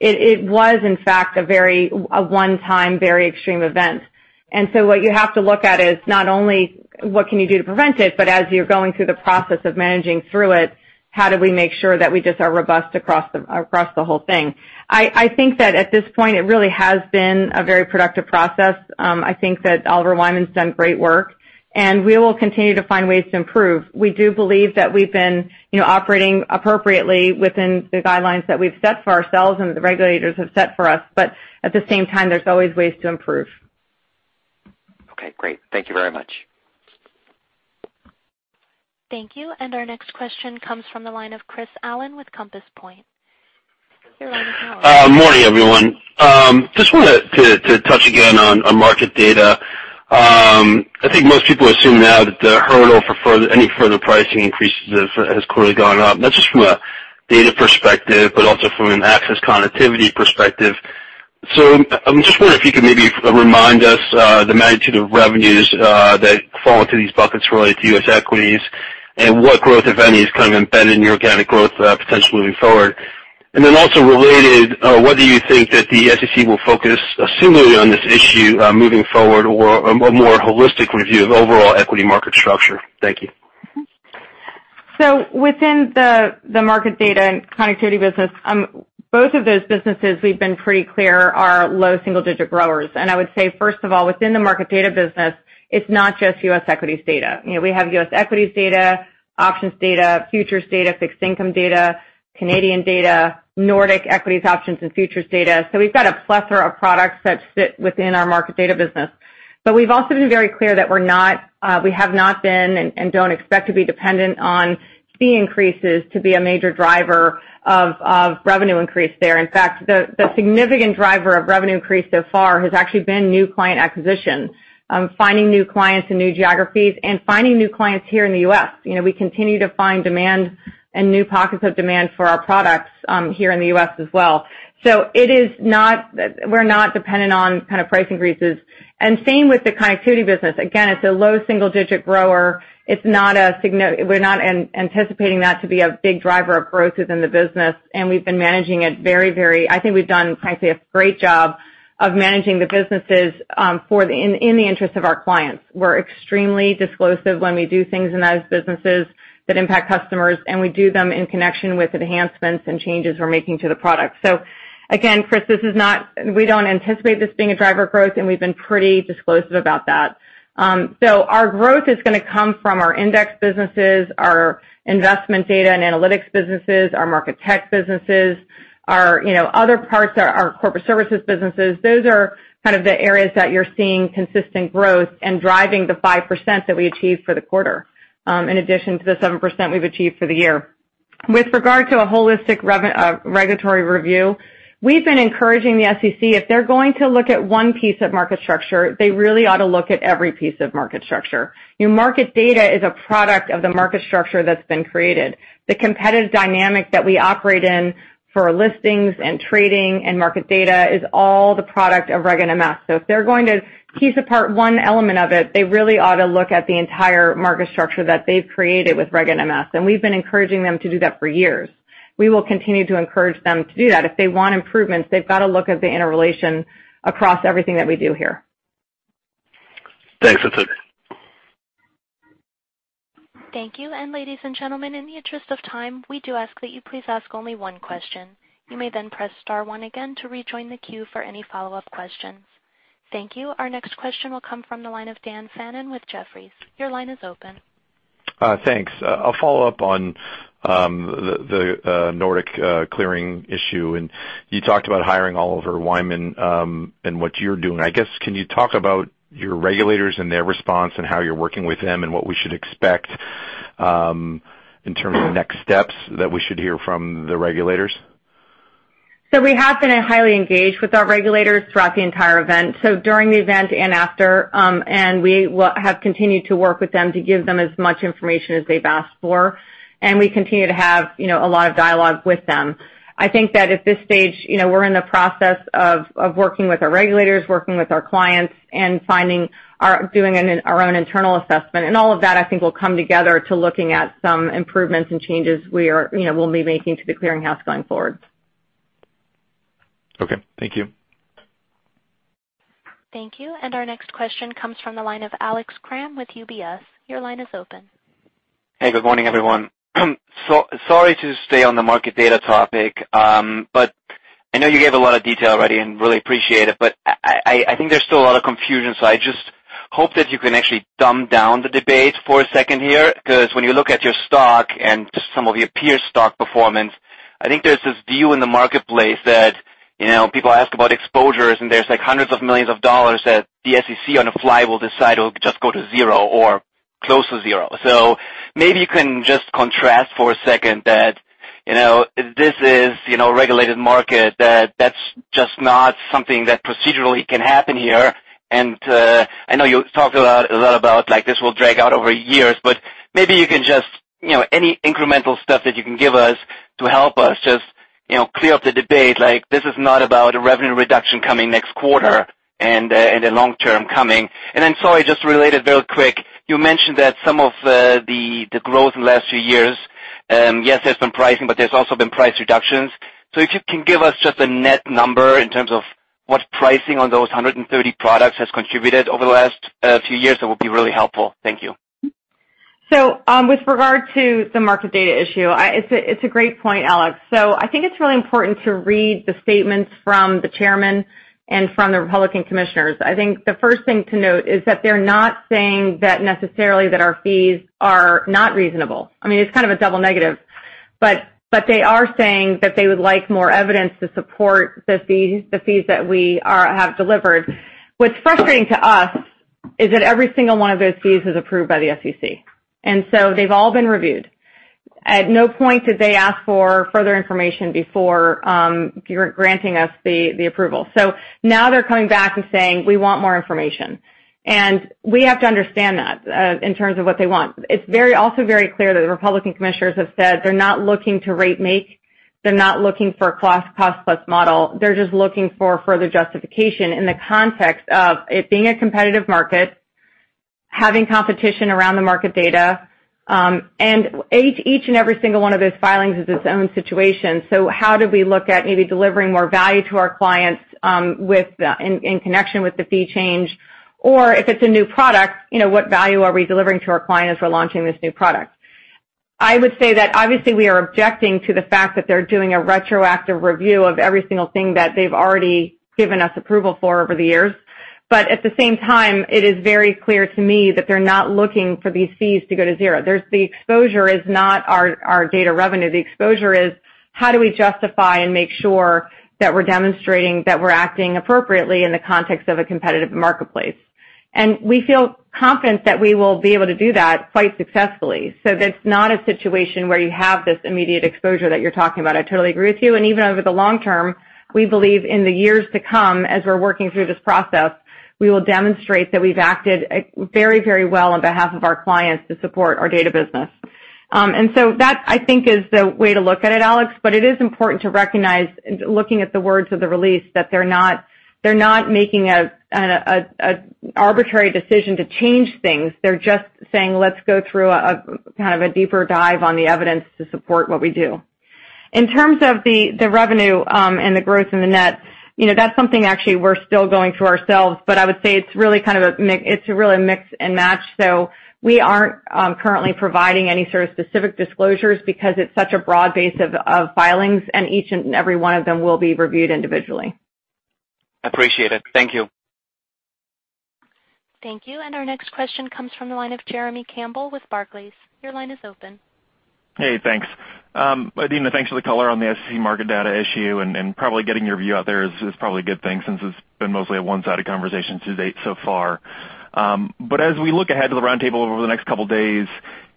It was in fact a one-time, very extreme event. What you have to look at is not only what can you do to prevent it, but as you're going through the process of managing through it, how do we make sure that we just are robust across the whole thing? I think that at this point it really has been a very productive process. I think that Oliver Wyman's done great work, and we will continue to find ways to improve. We do believe that we've been operating appropriately within the guidelines that we've set for ourselves and the regulators have set for us. At the same time, there's always ways to improve. Okay, great. Thank you very much. Thank you. Our next question comes from the line of Chris Allen with Compass Point. Your line is now open. Morning, everyone. Just wanted to touch again on market data. I think most people assume now that the hurdle for any further pricing increases has clearly gone up, not just from a data perspective, but also from an access connectivity perspective. So I'm just wondering if you could maybe remind us the magnitude of revenues that fall into these buckets related to U.S. equities and what growth, if any, is kind of embedded in your organic growth potential moving forward. And then also related, whether you think that the SEC will focus similarly on this issue moving forward or a more holistic review of overall equity market structure. Thank you. Within the market data and connectivity business, both of those businesses we've been pretty clear are low single-digit growers. I would say, first of all, within the market data business, it's not just U.S. equities data. We have U.S. equities data, options data, futures data, fixed income data, Canadian data, Nordic equities options and futures data. So we've got a plethora of products that sit within our market data business. But we've also been very clear that we have not been and don't expect to be dependent on fee increases to be a major driver of revenue increase there. In fact, the significant driver of revenue increase so far has actually been new client acquisition. Finding new clients in new geographies and finding new clients here in the U.S. We continue to find demand and new pockets of demand for our products here in the U.S. as well. We're not dependent on price increases. Same with the connectivity business. Again, it's a low single-digit grower. We're not anticipating that to be a big driver of growth within the business, and we've been managing it very, very-- I think we've done, frankly, a great job of managing the businesses in the interest of our clients. We're extremely disclosive when we do things in those businesses that impact customers, and we do them in connection with enhancements and changes we're making to the product. Again, Chris, we don't anticipate this being a driver of growth, and we've been pretty disclosive about that. Our growth is going to come from our index businesses, our investment data and analytics businesses, our market tech businesses, our corporate services businesses. Those are kind of the areas that you're seeing consistent growth and driving the 5% that we achieved for the quarter, in addition to the 7% we've achieved for the year. With regard to a holistic regulatory review, we've been encouraging the SEC, if they're going to look at one piece of market structure, they really ought to look at every piece of market structure. Market data is a product of the market structure that's been created. The competitive dynamic that we operate in for listings and trading and market data is all the product of Regulation NMS. If they're going to tease apart one element of it, they really ought to look at the entire market structure that they've created with Regulation NMS, and we've been encouraging them to do that for years. We will continue to encourage them to do that. If they want improvements, they've got to look at the interrelation across everything that we do here. Thanks. That's it. Thank you. Ladies and gentlemen, in the interest of time, we do ask that you please ask only one question. You may then press star one again to rejoin the queue for any follow-up questions. Thank you. Our next question will come from the line of Dan Fannon with Jefferies. Your line is open. Thanks. I'll follow up on the Nordic clearing issue, and you talked about hiring Oliver Wyman, and what you're doing. I guess, can you talk about your regulators and their response and how you're working with them and what we should expect in terms of next steps that we should hear from the regulators? We have been highly engaged with our regulators throughout the entire event, so during the event and after. We have continued to work with them to give them as much information as they've asked for, and we continue to have a lot of dialogue with them. I think that at this stage we're in the process of working with our regulators, working with our clients, and doing our own internal assessment. All of that, I think, will come together to looking at some improvements and changes we'll be making to the clearinghouse going forward. Okay. Thank you. Thank you. Our next question comes from the line of Alex Kramm with UBS. Your line is open. Hey, good morning, everyone. Sorry to stay on the market data topic. I know you gave a lot of detail already and really appreciate it, but I think there's still a lot of confusion. I just hope that you can actually dumb down the debate for a second here, because when you look at your stock and just some of your peer stock performance, I think there's this view in the marketplace that people ask about exposures and there's hundreds of millions of dollars that the SEC on a fly will decide will just go to zero or close to zero. Maybe you can just contrast for a second that this is a regulated market, that that's just not something that procedurally can happen here. I know you talked a lot about this will drag out over years, but maybe you can just, any incremental stuff that you can give us to help us just clear up the debate. This is not about a revenue reduction coming next quarter and the long-term coming. sorry, just related very quick, you mentioned that some of the growth in the last few years, yes, there's been pricing, but there's also been price reductions. If you can give us just a net number in terms of what pricing on those 130 products has contributed over the last few years, that would be really helpful. Thank you. with regard to the market data issue, it's a great point, Alex. I think it's really important to read the statements from the chairman and from the Republican commissioners. I think the first thing to note is that they're not saying that necessarily that our fees are not reasonable. I mean, it's kind of a double negative, but they are saying that they would like more evidence to support the fees that we have delivered. What's frustrating to us is that every single one of those fees is approved by the SEC, and so they've all been reviewed. At no point did they ask for further information before granting us the approval. Now they're coming back and saying, "We want more information." We have to understand that in terms of what they want. It's also very clear that the Republican commissioners have said they're not looking to rate make, they're not looking for a cost-plus model. They're just looking for further justification in the context of it being a competitive market, having competition around the market data, and each and every single one of those filings is its own situation. How do we look at maybe delivering more value to our clients in connection with the fee change? If it's a new product, what value are we delivering to our client as we're launching this new product? I would say that obviously we are objecting to the fact that they're doing a retroactive review of every single thing that they've already given us approval for over the years. At the same time, it is very clear to me that they're not looking for these fees to go to zero. The exposure is not our data revenue. The exposure is how do we justify and make sure that we're demonstrating that we're acting appropriately in the context of a competitive marketplace. we feel confident that we will be able to do that quite successfully. it's not a situation where you have this immediate exposure that you're talking about. I totally agree with you. even over the long term, we believe in the years to come, as we're working through this process, we will demonstrate that we've acted very well on behalf of our clients to support our data business. that, I think, is the way to look at it, Alex. it is important to recognize, looking at the words of the release, that they're not making an arbitrary decision to change things. They're just saying, "Let's go through a deeper dive on the evidence to support what we do." In terms of the revenue and the growth in the net, that's something actually we're still going through ourselves. I would say it's really a mix and match. we aren't currently providing any sort of specific disclosures because it's such a broad base of filings, and each and every one of them will be reviewed individually. Appreciate it. Thank you. Thank you. our next question comes from the line of Jeremy Campbell with Barclays. Your line is open. Hey, thanks. Adena, thanks for the color on the SEC market data issue, and probably getting your view out there is probably a good thing since it's been mostly a one-sided conversation to date so far. As we look ahead to the roundtable over the next couple of days.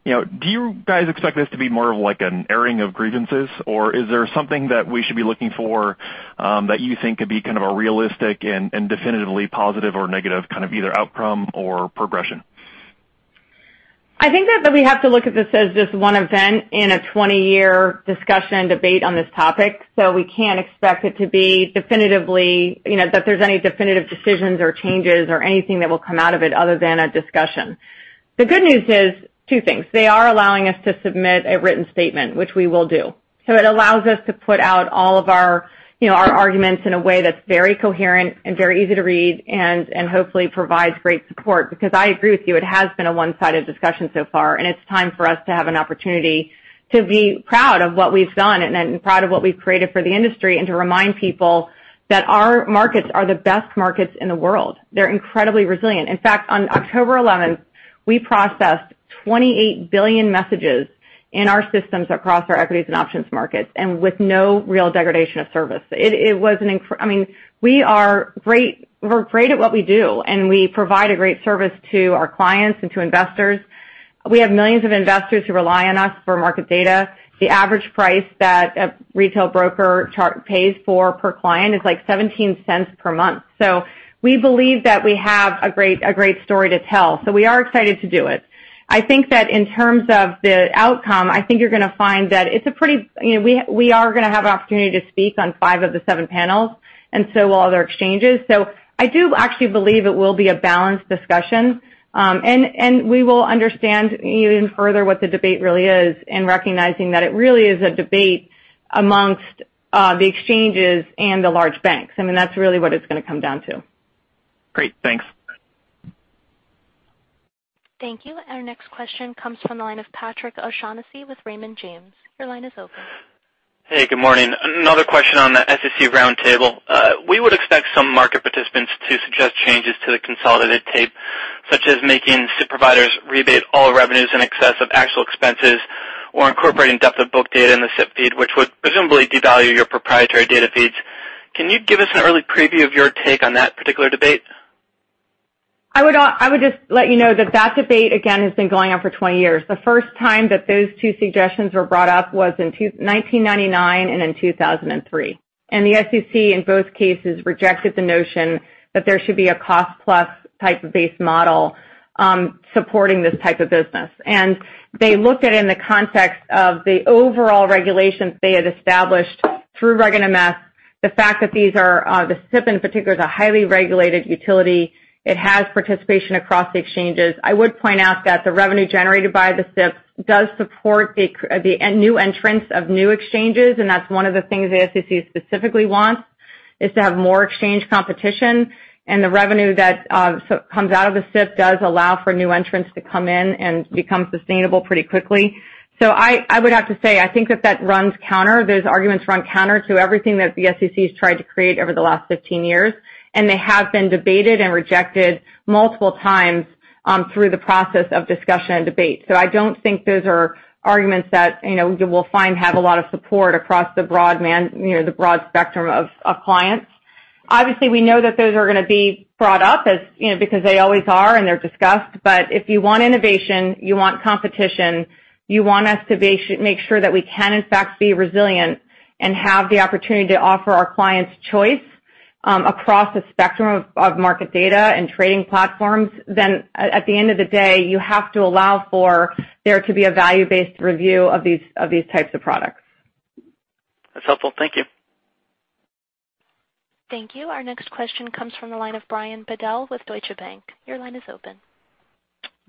Do you guys expect this to be more of an airing of grievances, or is there something that we should be looking for that you think could be kind of a realistic and definitively positive or negative kind of either outcome or progression? I think that we have to look at this as just one event in a 20-year discussion debate on this topic. We can't expect it to be definitively. That there's any definitive decisions or changes or anything that will come out of it other than a discussion. The good news is two things. They are allowing us to submit a written statement, which we will do. It allows us to put out all of our arguments in a way that's very coherent and very easy to read and hopefully provides great support. I agree with you, it has been a one-sided discussion so far, and it's time for us to have an opportunity to be proud of what we've done and proud of what we've created for the industry, and to remind people that our markets are the best markets in the world. They're incredibly resilient. In fact, on October 11th, we processed 28 billion messages in our systems across our equities and options markets, and with no real degradation of service. We're great at what we do, and we provide a great service to our clients and to investors. We have millions of investors who rely on us for market data. The average price that a retail broker pays for per client is like 17 cents per month. We believe that we have a great story to tell, so we are excited to do it. I think that in terms of the outcome, I think you're going to find that we are going to have an opportunity to speak on five of the seven panels, and so will other exchanges. I do actually believe it will be a balanced discussion. We will understand even further what the debate really is and recognizing that it really is a debate amongst the exchanges and the large banks. I mean, that's really what it's going to come down to. Great. Thanks. Thank you. Our next question comes from the line of Patrick O'Shaughnessy with Raymond James. Your line is open. Hey, good morning. Another question on the SEC roundtable. We would expect some market participants to suggest changes to the consolidated tape, such as making SIP providers rebate all revenues in excess of actual expenses or incorporating depth of book data in the SIP feed, which would presumably devalue your proprietary data feeds. Can you give us an early preview of your take on that particular debate? I would just let you know that that debate, again, has been going on for 20 years. The first time that those two suggestions were brought up was in 1999 and in 2003. The SEC, in both cases, rejected the notion that there should be a cost-plus type of base model supporting this type of business. They looked at it in the context of the overall regulations they had established through Regulation NMS. The fact that these are, the SIP in particular, is a highly regulated utility. It has participation across the exchanges. I would point out that the revenue generated by the SIP does support the new entrants of new exchanges, and that's one of the things the SEC specifically wants, is to have more exchange competition. The revenue that comes out of the SIP does allow for new entrants to come in and become sustainable pretty quickly. I would have to say, I think that that runs counter. Those arguments run counter to everything that the SEC's tried to create over the last 15 years, and they have been debated and rejected multiple times through the process of discussion and debate. I don't think those are arguments that we'll find have a lot of support across the broad spectrum of clients. Obviously, we know that those are going to be brought up because they always are, and they're discussed. If you want innovation, you want competition, you want us to make sure that we can in fact be resilient and have the opportunity to offer our clients choice across a spectrum of market data and trading platforms, then at the end of the day, you have to allow for there to be a value-based review of these types of products. That's helpful. Thank you. Thank you. Our next question comes from the line of Brian Bedell with Deutsche Bank. Your line is open.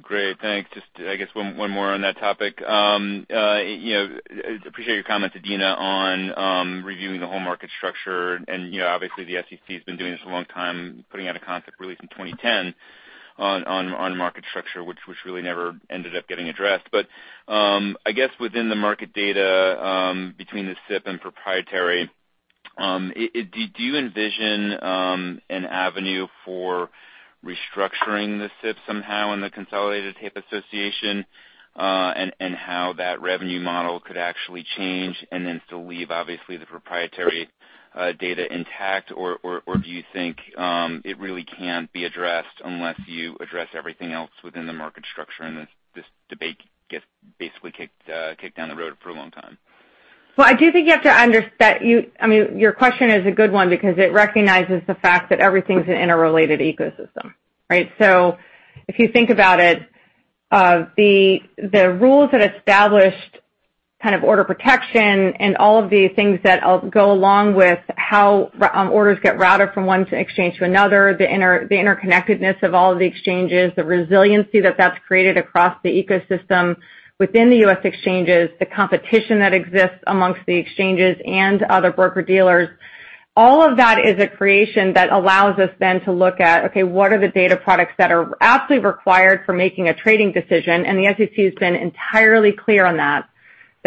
Great, thanks. Just I guess one more on that topic. Appreciate your comment, Adena, on reviewing the whole market structure, and obviously the SEC has been doing this a long time, putting out a concept release in 2010 on market structure, which really never ended up getting addressed. I guess within the market data between the SIP and proprietary, do you envision an avenue for restructuring the SIP somehow in the Consolidated Tape Association? How that revenue model could actually change and then still leave, obviously, the proprietary data intact, or do you think it really can't be addressed unless you address everything else within the market structure and this debate gets basically kicked down the road for a long time? Well, I do think you have to understand. Your question is a good one because it recognizes the fact that everything's an interrelated ecosystem, right? So if you think about it, the rules that established kind of order protection and all of the things that go along with how orders get routed from one exchange to another, the interconnectedness of all of the exchanges, the resiliency that that's created across the ecosystem within the US exchanges, the competition that exists amongst the exchanges and other broker-dealers, all of that is a creation that allows us then to look at, okay, what are the data products that are absolutely required for making a trading decision? The SEC has been entirely clear on that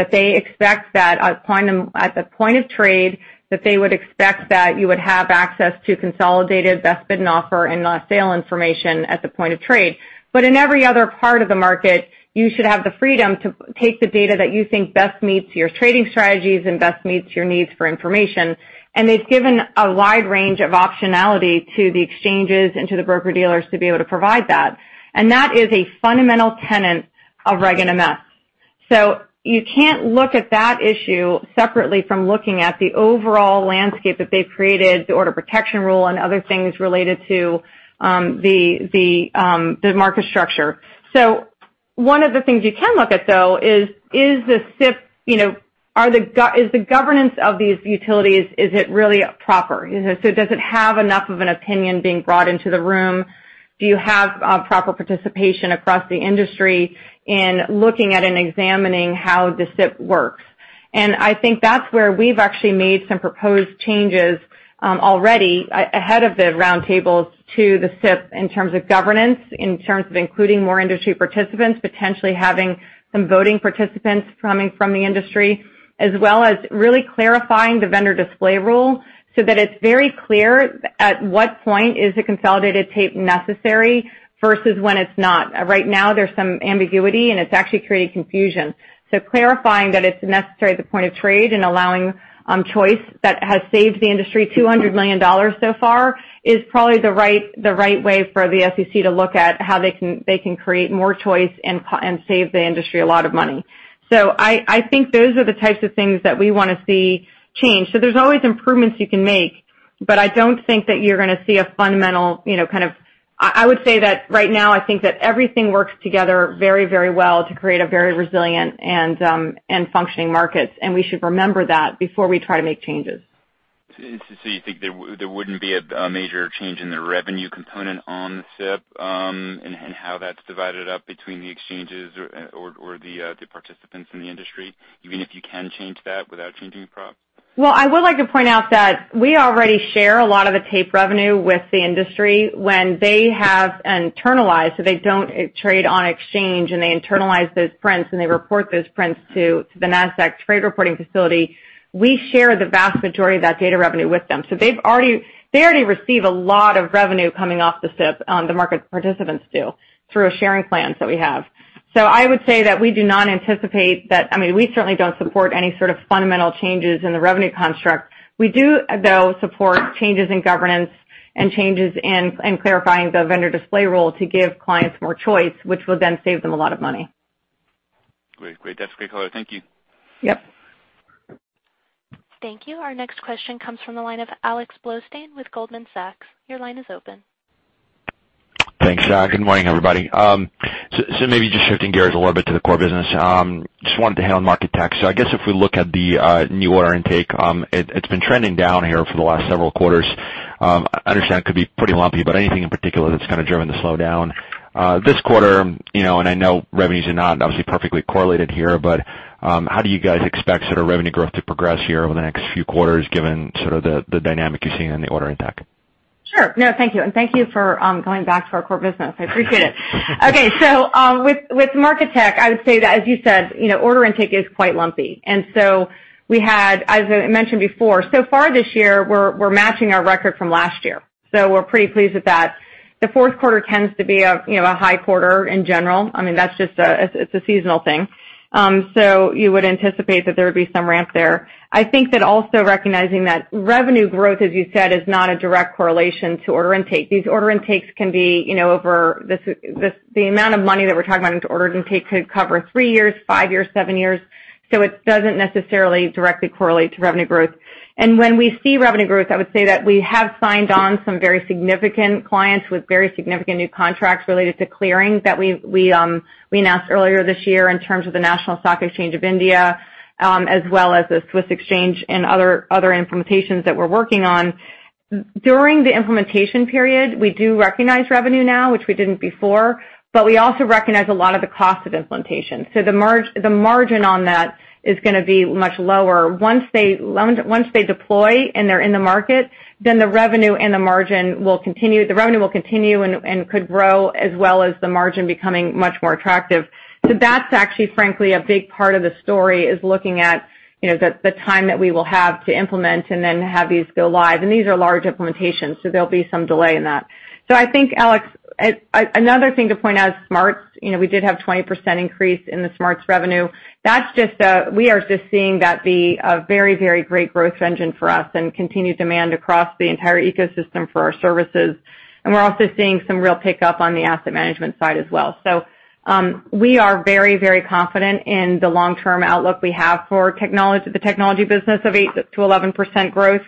they expect that at the point of trade, that they would expect that you would have access to consolidated best bid and offer and last sale information at the point of trade. In every other part of the market, you should have the freedom to take the data that you think best meets your trading strategies and best meets your needs for information. And they've given a wide range of optionality to the exchanges and to the broker-dealers to be able to provide that. And that is a fundamental tenet of Regulation NMS. You can't look at that issue separately from looking at the overall landscape that they've created, the Order Protection rule, and other things related to the market structure. One of the things you can look at, though, is the governance of these utilities, is it really proper? So does it have enough of an opinion being brought into the room? Do you have proper participation across the industry in looking at and examining how the SIP works? And I think that's where we've actually made some proposed changes already ahead of the round tables to the SIP in terms of governance, in terms of including more industry participants, potentially having some voting participants coming from the industry, as well as really clarifying the Vendor Display Rule so that it's very clear at what point is a consolidated tape necessary versus when it's not. Right now, there's some ambiguity, and it's actually creating confusion. clarifying that it's necessary at the point of trade and allowing choice that has saved the industry $200 million so far is probably the right way for the SEC to look at how they can create more choice and save the industry a lot of money. I think those are the types of things that we want to see changed. there's always improvements you can make, but I don't think that you're gonna see a fundamental kind of I would say that right now, I think that everything works together very well to create a very resilient and functioning market. we should remember that before we try to make changes. You think there wouldn't be a major change in the revenue component on the SIP, and how that's divided up between the exchanges or the participants in the industry, even if you can change that without changing prop? Well, I would like to point out that we already share a lot of the tape revenue with the industry when they have internalized, so they don't trade on exchange, and they internalize those prints, and they report those prints to the Nasdaq Trade Reporting Facility. We share the vast majority of that data revenue with them. they already receive a lot of revenue coming off the SIP, the market participants do, through sharing plans that we have. I would say that we do not anticipate that. We certainly don't support any sort of fundamental changes in the revenue construct. We do, though, support changes in governance and changes in clarifying the Vendor Display Rule to give clients more choice, which will then save them a lot of money. Great. That's great color. Thank you. Yep. Thank you. Our next question comes from the line of Alex Blostein with Goldman Sachs. Your line is open. Thanks. Good morning, everybody. Maybe just shifting gears a little bit to the core business. Just wanted to handle market tech. I guess if we look at the new order intake, it's been trending down here for the last several quarters. I understand it could be pretty lumpy, but anything in particular that's kind of driven the slowdown this quarter, and I know revenues are not obviously perfectly correlated here, but how do you guys expect sort of revenue growth to progress here over the next few quarters, given sort of the dynamic you're seeing in the order intake? Sure. No, thank you, and thank you for going back to our core business. I appreciate it. Okay. with market tech, I would say that, as you said, order intake is quite lumpy. we had, as I mentioned before, so far this year, we're matching our record from last year. we're pretty pleased with that. The fourth quarter tends to be a high quarter in general. It's a seasonal thing. you would anticipate that there would be some ramp there. I think that also recognizing that revenue growth, as you said, is not a direct correlation to order intake. These order intakes can be over the amount of money that we're talking about into order intake could cover three years, five years, seven years. it doesn't necessarily directly correlate to revenue growth. when we see revenue growth, I would say that we have signed on some very significant clients with very significant new contracts related to clearing that we announced earlier this year in terms of the National Stock Exchange of India, as well as the Swiss exchange and other implementations that we're working on. During the implementation period, we do recognize revenue now, which we didn't before, but we also recognize a lot of the cost of implementation. the margin on that is gonna be much lower. Once they deploy and they're in the market, then the revenue and the margin will continue. The revenue will continue and could grow as well as the margin becoming much more attractive. that's actually, frankly, a big part of the story, is looking at the time that we will have to implement and then have these go live. These are large implementations, so there'll be some delay in that. I think, Alex, another thing to point out is SMARTS. We did have a 20% increase in the SMARTS revenue. We are just seeing that be a very great growth engine for us and continued demand across the entire ecosystem for our services. We're also seeing some real pickup on the asset management side as well. We are very confident in the long-term outlook we have for the technology business of 8%-11% growth.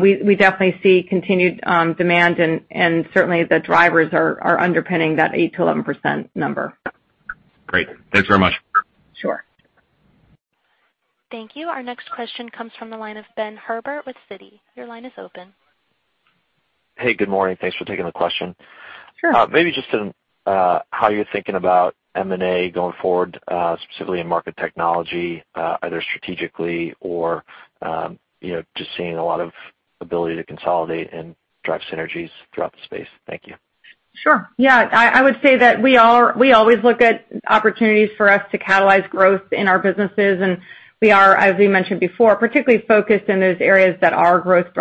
We definitely see continued demand, and certainly, the drivers are underpinning that 8%-11% number. Great. Thanks very much. Sure. Thank you. Our next question comes from the line of Ben Herbert with Citi. Your line is open. Hey, good morning. Thanks for taking the question. Sure. Maybe just how you're thinking about M&A going forward, specifically in market technology, either strategically or just seeing a lot of ability to consolidate and drive synergies throughout the space. Thank you. Sure. Yeah, I would say that we always look at opportunities for us to catalyze growth in our businesses, and we are, as we mentioned before, particularly focused in those areas that are growth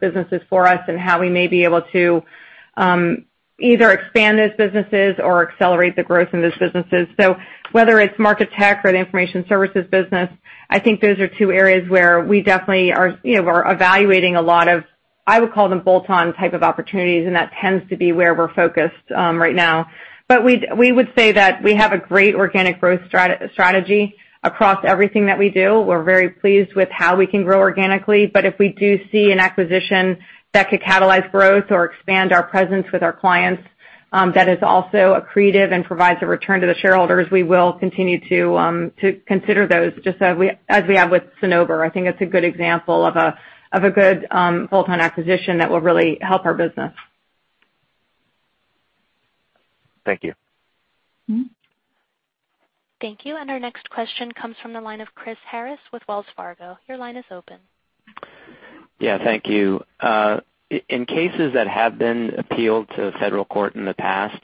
businesses for us and how we may be able to either expand those businesses or accelerate the growth in those businesses. Whether it's market tech or the information services business, I think those are two areas where we definitely are evaluating a lot of I would call them bolt-on type of opportunities, and that tends to be where we're focused right now. We would say that we have a great organic growth strategy across everything that we do. We're very pleased with how we can grow organically. If we do see an acquisition that could catalyze growth or expand our presence with our clients that is also accretive and provides a return to the shareholders, we will continue to consider those, just as we have with Cinnober. I think it's a good example of a good bolt-on acquisition that will really help our business. Thank you. Thank you. Our next question comes from the line of Chris Harris with Wells Fargo. Your line is open. Yeah, thank you. In cases that have been appealed to federal court in the past,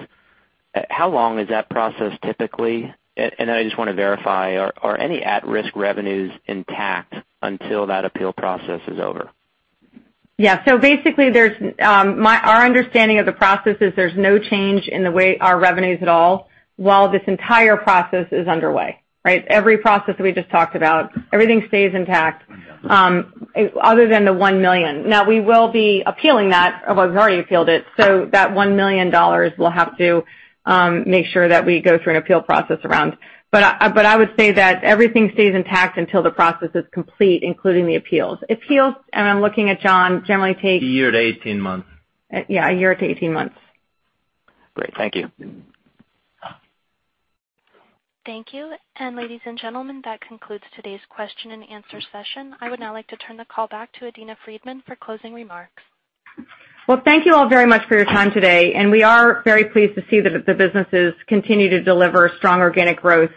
how long is that process typically? I just want to verify, are any at-risk revenues intact until that appeal process is over? Yeah. Basically, our understanding of the process is there's no change in the way our revenues at all while this entire process is underway, right? Every process we just talked about, everything stays intact other than the $1 million. Now, we will be appealing that, although we've already appealed it, so that $1 million we'll have to make sure that we go through an appeal process around. I would say that everything stays intact until the process is complete, including the appeals. Appeals, and I'm looking at John, generally take- A year to 18 months. Yeah, a year to 18 months. Great. Thank you. Thank you. Ladies and gentlemen, that concludes today's question and answer session. I would now like to turn the call back to Adena Friedman for closing remarks. Well, thank you all very much for your time today, and we are very pleased to see that the businesses continue to deliver strong organic growth.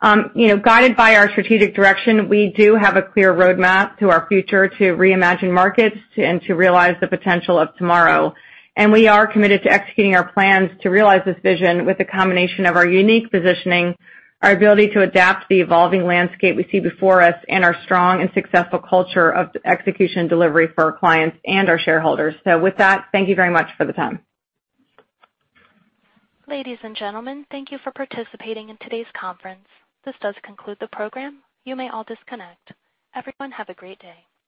Guided by our strategic direction, we do have a clear roadmap to our future to reimagine markets and to realize the potential of tomorrow. We are committed to executing our plans to realize this vision with a combination of our unique positioning, our ability to adapt to the evolving landscape we see before us, and our strong and successful culture of execution delivery for our clients and our shareholders. With that, thank you very much for the time. Ladies and gentlemen, thank you for participating in today's conference. This does conclude the program. You may all disconnect. Everyone, have a great day.